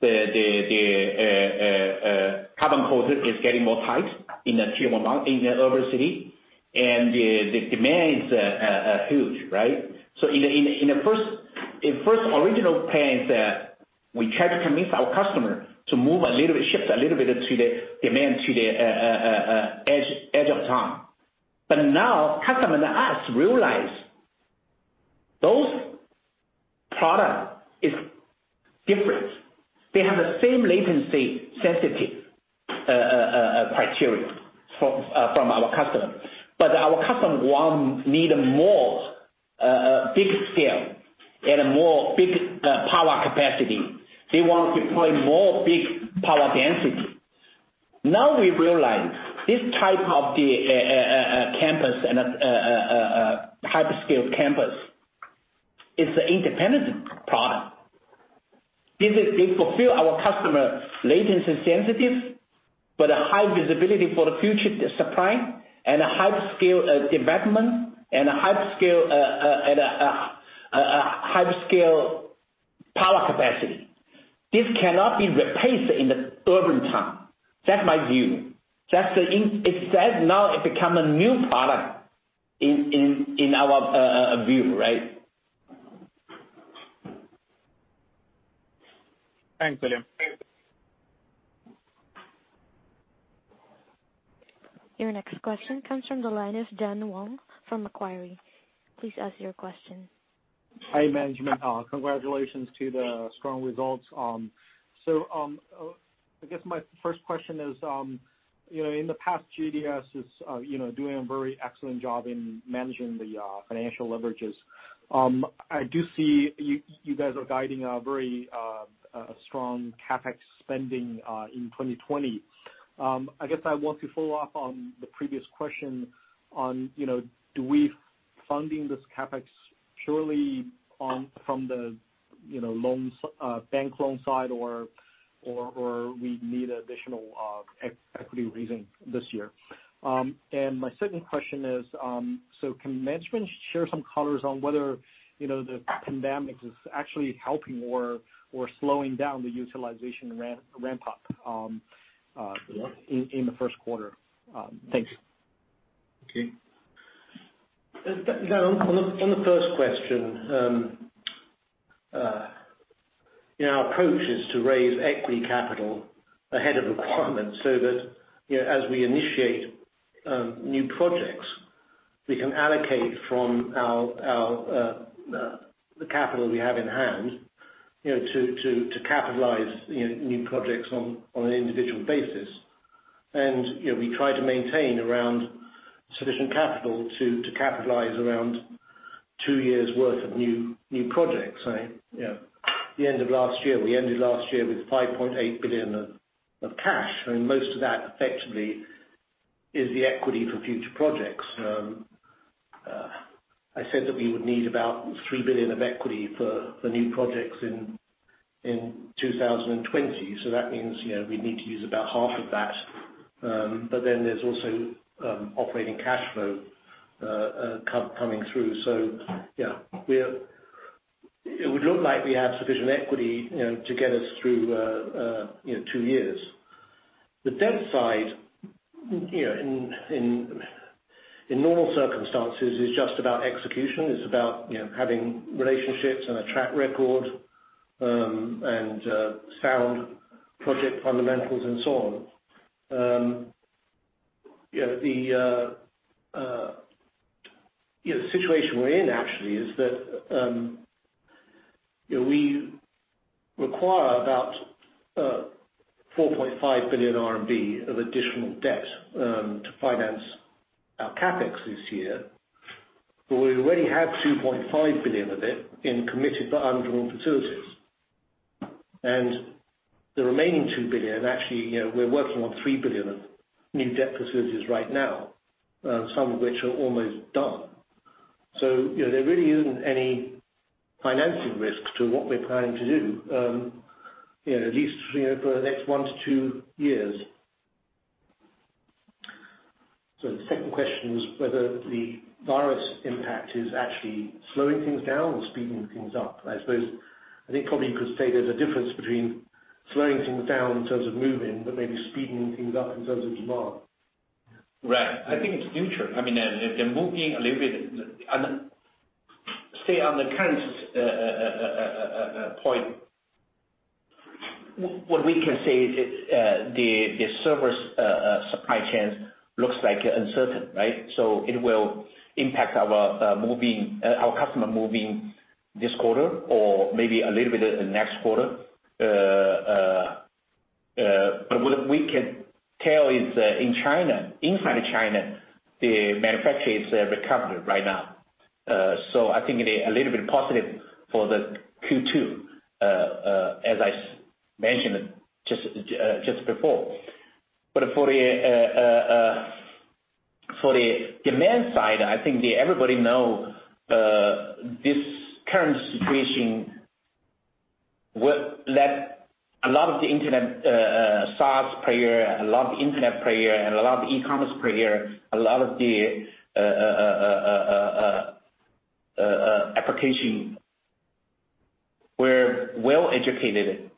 the carbon footprint is getting more tight in the urban city, and the demand is huge, right? In the first original plans, we tried to convince our customer to move a little bit, shift a little bit of today demand to the edge of town. Now customer and us realize those product is different. They have the same latency sensitive criteria from our customer. Our customer need a more big scale and a more big power capacity. They want to deploy more big power density. Now we realize this type of the hyperscale campus is an independent product. They fulfill our customer latency sensitives, a high visibility for the future supply and a hyperscale development and a hyperscale power capacity. This cannot be replaced in the urban town. That's my view. Now it become a new product in our view, right? Thanks, William. Your next question comes from the line of Dan Wang from Macquarie. Please ask your question. Hi, management. Congratulations to the strong results. I guess my first question is, in the past GDS is doing a very excellent job in managing the financial leverages. I do see you guys are guiding a very strong CapEx spending in 2020. I guess I want to follow up on the previous question on, do we funding this CapEx purely from the bank loan side or we need additional equity raising this year? My second question is, can management share some colors on whether the pandemic is actually helping or slowing down the utilization ramp-up in the first quarter? Thanks. Okay. Dan, on the first question, our approach is to raise equity capital ahead of requirement so that as we initiate new projects, we can allocate from the capital we have in hand to capitalize new projects on an individual basis. We try to maintain around sufficient capital to capitalize around two years' worth of new projects. The end of last year, we ended last year with 5.8 billion of cash, most of that effectively is the equity for future projects. I said that we would need about 3 billion of equity for the new projects in 2020. That means we need to use about half of that. There's also operating cash flow coming through. Yeah, it would look like we have sufficient equity to get us through two years. The debt side, in normal circumstances, is just about execution. It's about having relationships and a track record, and sound project fundamentals and so on. The situation we're in actually is that we require about 4.5 billion RMB of additional debt to finance our CapEx this year. We already have 2.5 billion of it in committed but undrawn facilities. The remaining 2 billion, actually, we're working on 3 billion of new debt facilities right now, some of which are almost done. There really isn't any financing risk to what we're planning to do, at least for the next one to two years. The second question is whether the virus impact is actually slowing things down or speeding things up. I suppose, I think probably you could say there's a difference between slowing things down in terms of moving, but maybe speeding things up in terms of demand. Right. I think it's neutral. They're moving a little bit. Stay on the current point. What we can say is the server supply chains looks like uncertain, right? It will impact our customer moving this quarter or maybe a little bit next quarter. What we can tell is in China, inside China, the manufacturer is recovered right now. I think it is a little bit positive for the Q2, as I mentioned just before. For the demand side, I think everybody know this current situation will let a lot of the internet SaaS player, a lot of internet player, and a lot of e-commerce player, a lot of the application were well educated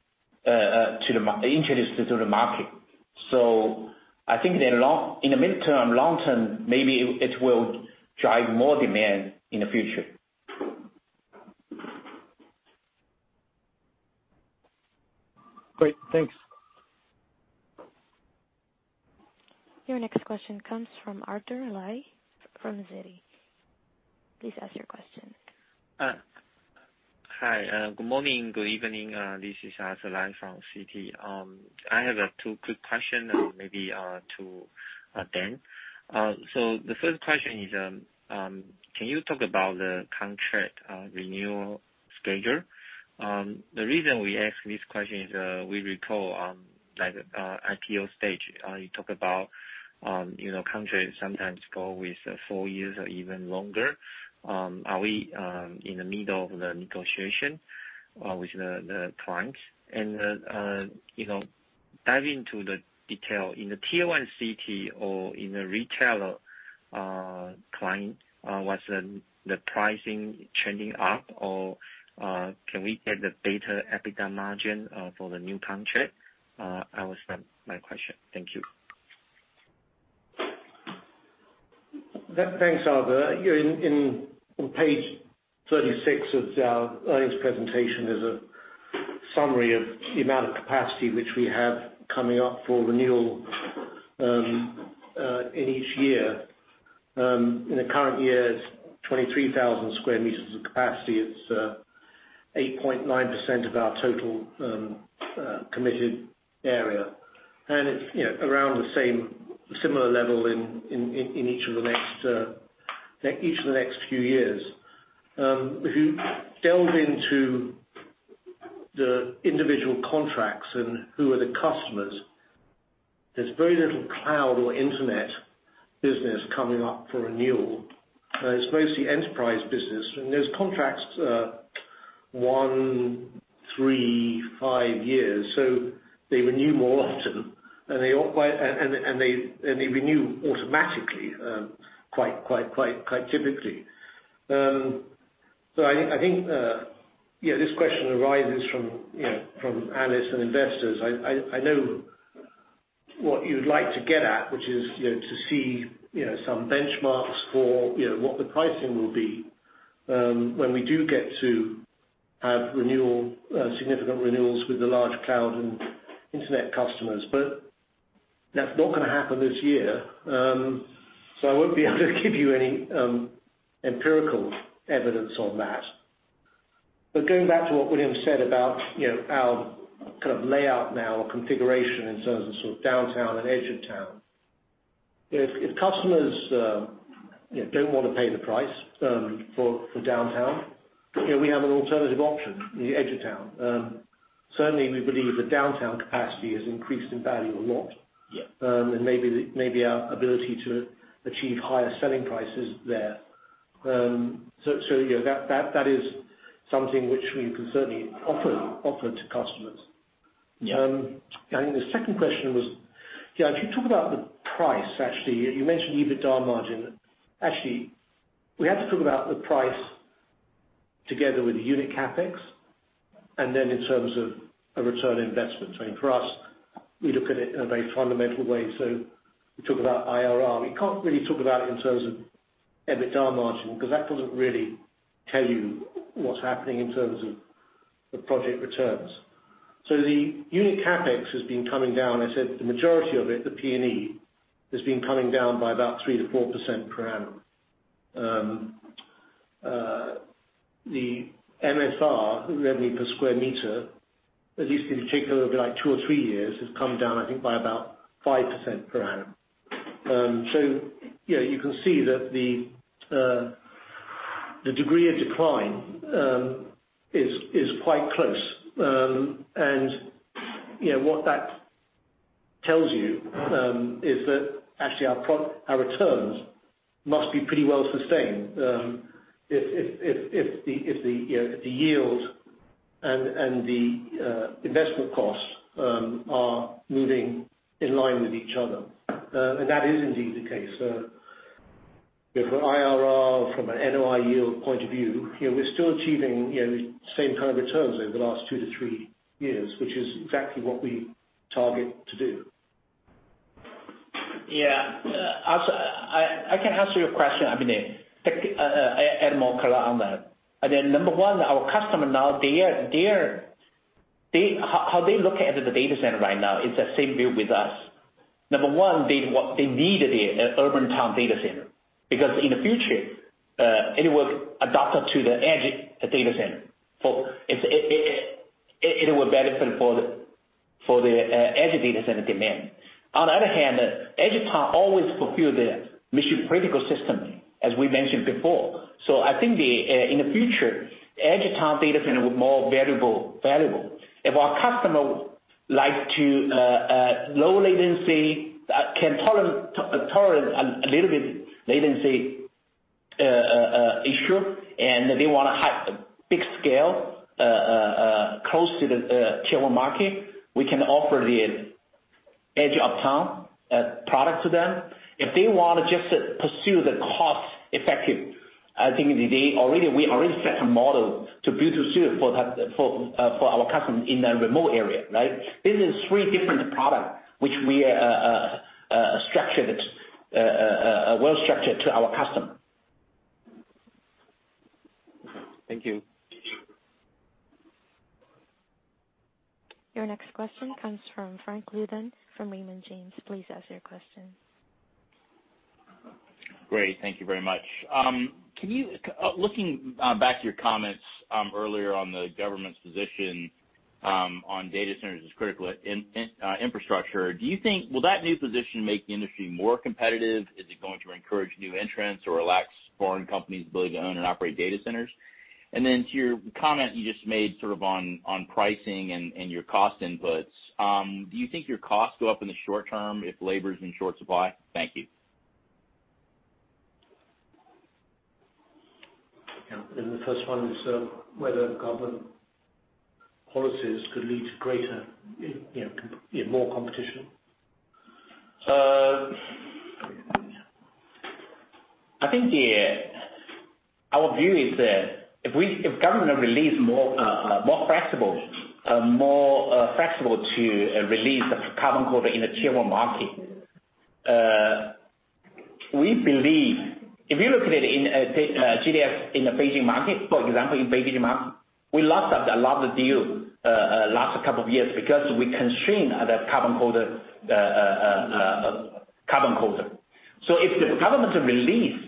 introduced to the market. I think in the midterm, long-term, maybe it will drive more demand in the future. Great, thanks. Your next question comes from Arthur Lai from Citi. Please ask your question. Hi. Good morning. Good evening. This is Arthur Lai from Citi. I have two quick question maybe to Dan. The first question is, can you talk about the contract renewal schedule? The reason we ask this question is, we recall on IPO stage, you talk about contracts sometimes go with four years or even longer. Are we in the middle of the negotiation with the clients? Dive into the detail. In the Tier 1 city or in the retailer client, was the pricing trending up or can we get the better EBITDA margin for the new contract? That was my question. Thank you. Thanks, Arthur. On page 36 of our earnings presentation is a summary of the amount of capacity which we have coming up for renewal in each year. In the current year, it's 23,000 sq m of capacity. It's 8.9% of our total committed area. It's around the similar level in each of the next few years. If you delve into the individual contracts and who are the customers, there's very little cloud or internet business coming up for renewal. It's mostly enterprise business. Those contracts are one, three, five years, so they renew more often. They renew automatically quite typically. I think this question arises from analysts and investors. I know what you'd like to get at, which is to see some benchmarks for what the pricing will be when we do get to have significant renewals with the large cloud and internet customers. That's not going to happen this year. I won't be able to give you any empirical evidence on that. Going back to what William said about our layout now or configuration in terms of downtown and edge of town. If customers don't want to pay the price for downtown, we have an alternative option, the edge of town. Certainly, we believe the downtown capacity has increased in value a lot. Yeah. Maybe our ability to achieve higher selling price is there. That is something which we can certainly offer to customers. Yeah. I think the second question was if you talk about the price, actually, you mentioned EBITDA margin. We have to talk about the price together with unit CapEx, and then in terms of a return on investment. For us, we look at it in a very fundamental way. We talk about IRR. We can't really talk about it in terms of EBITDA margin, because that doesn't really tell you what's happening in terms of the project returns. The unit CapEx has been coming down. I said the majority of it, the P&E, has been coming down by about 3%-4% per annum. The MSR, revenue per square meter, at least in particular over two or three years, has come down, I think, by about 5% per annum. You can see that the degree of decline is quite close. What that tells you is that actually our returns must be pretty well sustained if the yield and the investment costs are moving in line with each other. That is indeed the case. From IRR, from an NOI yield point of view, we are still achieving the same kind of returns over the last two to three years, which is exactly what we target to do. Yeah. Arthur, I can answer your question. I mean, add more color on that. Number one, our customer now, how they look at the data center right now is the same view with us. Number one, they needed a urban town data center, because in the future, it will adopt to the edge data center. It will benefit for the edge data center demand. On the other hand, edge town always fulfill the mission-critical system, as we mentioned before. I think in the future, edge town data center will be more valuable. If our customer likes to low latency, can tolerate a little bit latency issue, and they want a big scale close to the Tier 1 market, we can offer the edge uptown product to them. If they want to just pursue the cost-effective, I think we already set a model to build, to suit for our customer in a remote area, right? This is three different product, which we well-structured to our customer. Thank you. Your next question comes from Frank Louthan from Raymond James. Please ask your question. Great. Thank you very much. Looking back to your comments earlier on the government's position on data centers as critical infrastructure, will that new position make the industry more competitive? Is it going to encourage new entrants or relax foreign companies' ability to own and operate data centers? Then to your comment you just made sort of on pricing and your cost inputs, do you think your costs go up in the short term if labor is in short supply? Thank you. Yeah. The first one is whether government policies could lead to more competition. I think our view is if government are more flexible to release the carbon quota in the Tier 1 market. If you look at it in GDS in the Beijing market, for example, in Beijing market, we lost a lot of deal last couple of years because we constrain the carbon quota. If the government release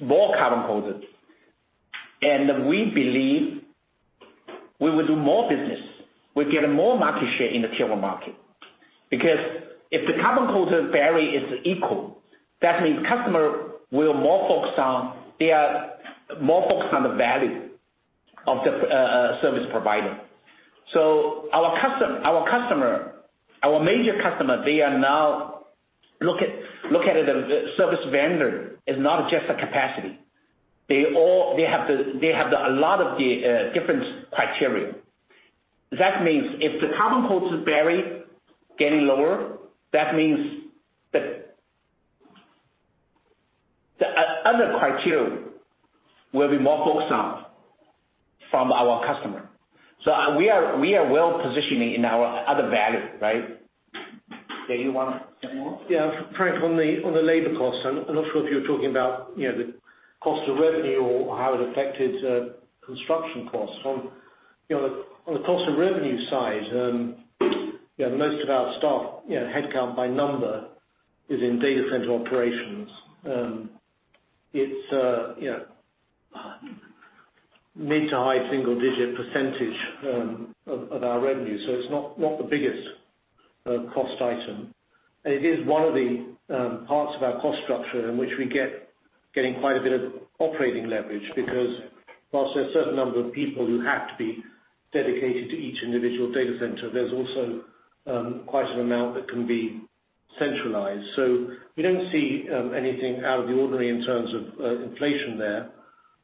more carbon quotas, and we believe we will do more business. We get more market share in the Tier 1 market. If the carbon quota barrier is equal, that means customer will more focus on the value of the service provider. Our major customer, they are now looking at the service vendor as not just a capacity. They have a lot of different criteria. That means if the carbon quota barrier getting lower, that means the other criteria will be more focused on from our customer. We are well-positioned in our other value, right? Daniel, you want to say more? Yeah. Frank, on the labor cost, I'm not sure if you're talking about the cost of revenue or how it affected construction costs. On the cost of revenue side, most of our staff, headcount by number, is in data center operations. It's mid to high single-digit percentage of our revenue, so it's not the biggest cost item. It is one of the parts of our cost structure in which we're getting quite a bit of operating leverage, because whilst there's a certain number of people who have to be dedicated to each individual data center, there's also quite an amount that can be centralized. We don't see anything out of the ordinary in terms of inflation there.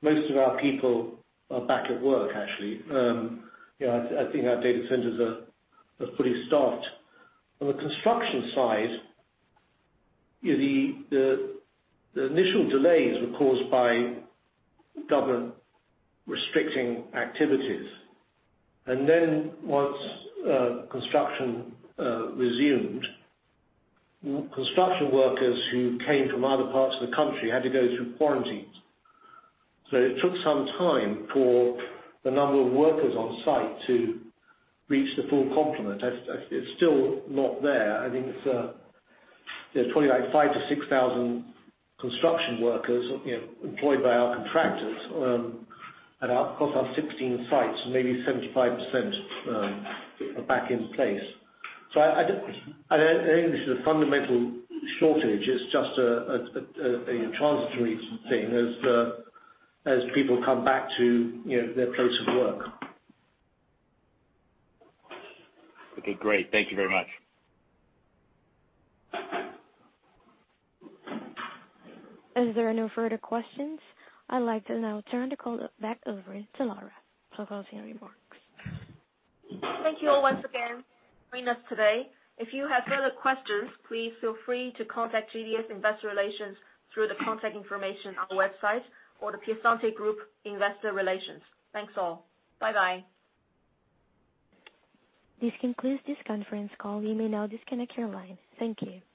Most of our people are back at work, actually. I think our data centers are fully staffed. On the construction side, the initial delays were caused by government restricting activities. Once construction resumed, construction workers who came from other parts of the country had to go through quarantines. It took some time for the number of workers on site to reach the full complement. It's still not there. I think it's probably like 5,000-6,000 construction workers employed by our contractors. Across our 16 sites, maybe 75% are back in place. I don't think this is a fundamental shortage. It's just a transitory thing as people come back to their place of work. Okay, great. Thank you very much. As there are no further questions, I'd like to now turn the call back over to Laura for closing remarks. Thank you all once again for joining us today. If you have further questions, please feel free to contact GDS Investor Relations through the contact information on the website or the Piacente Group Investor Relations. Thanks all. Bye-bye. This concludes this conference call. You may now disconnect your line. Thank you.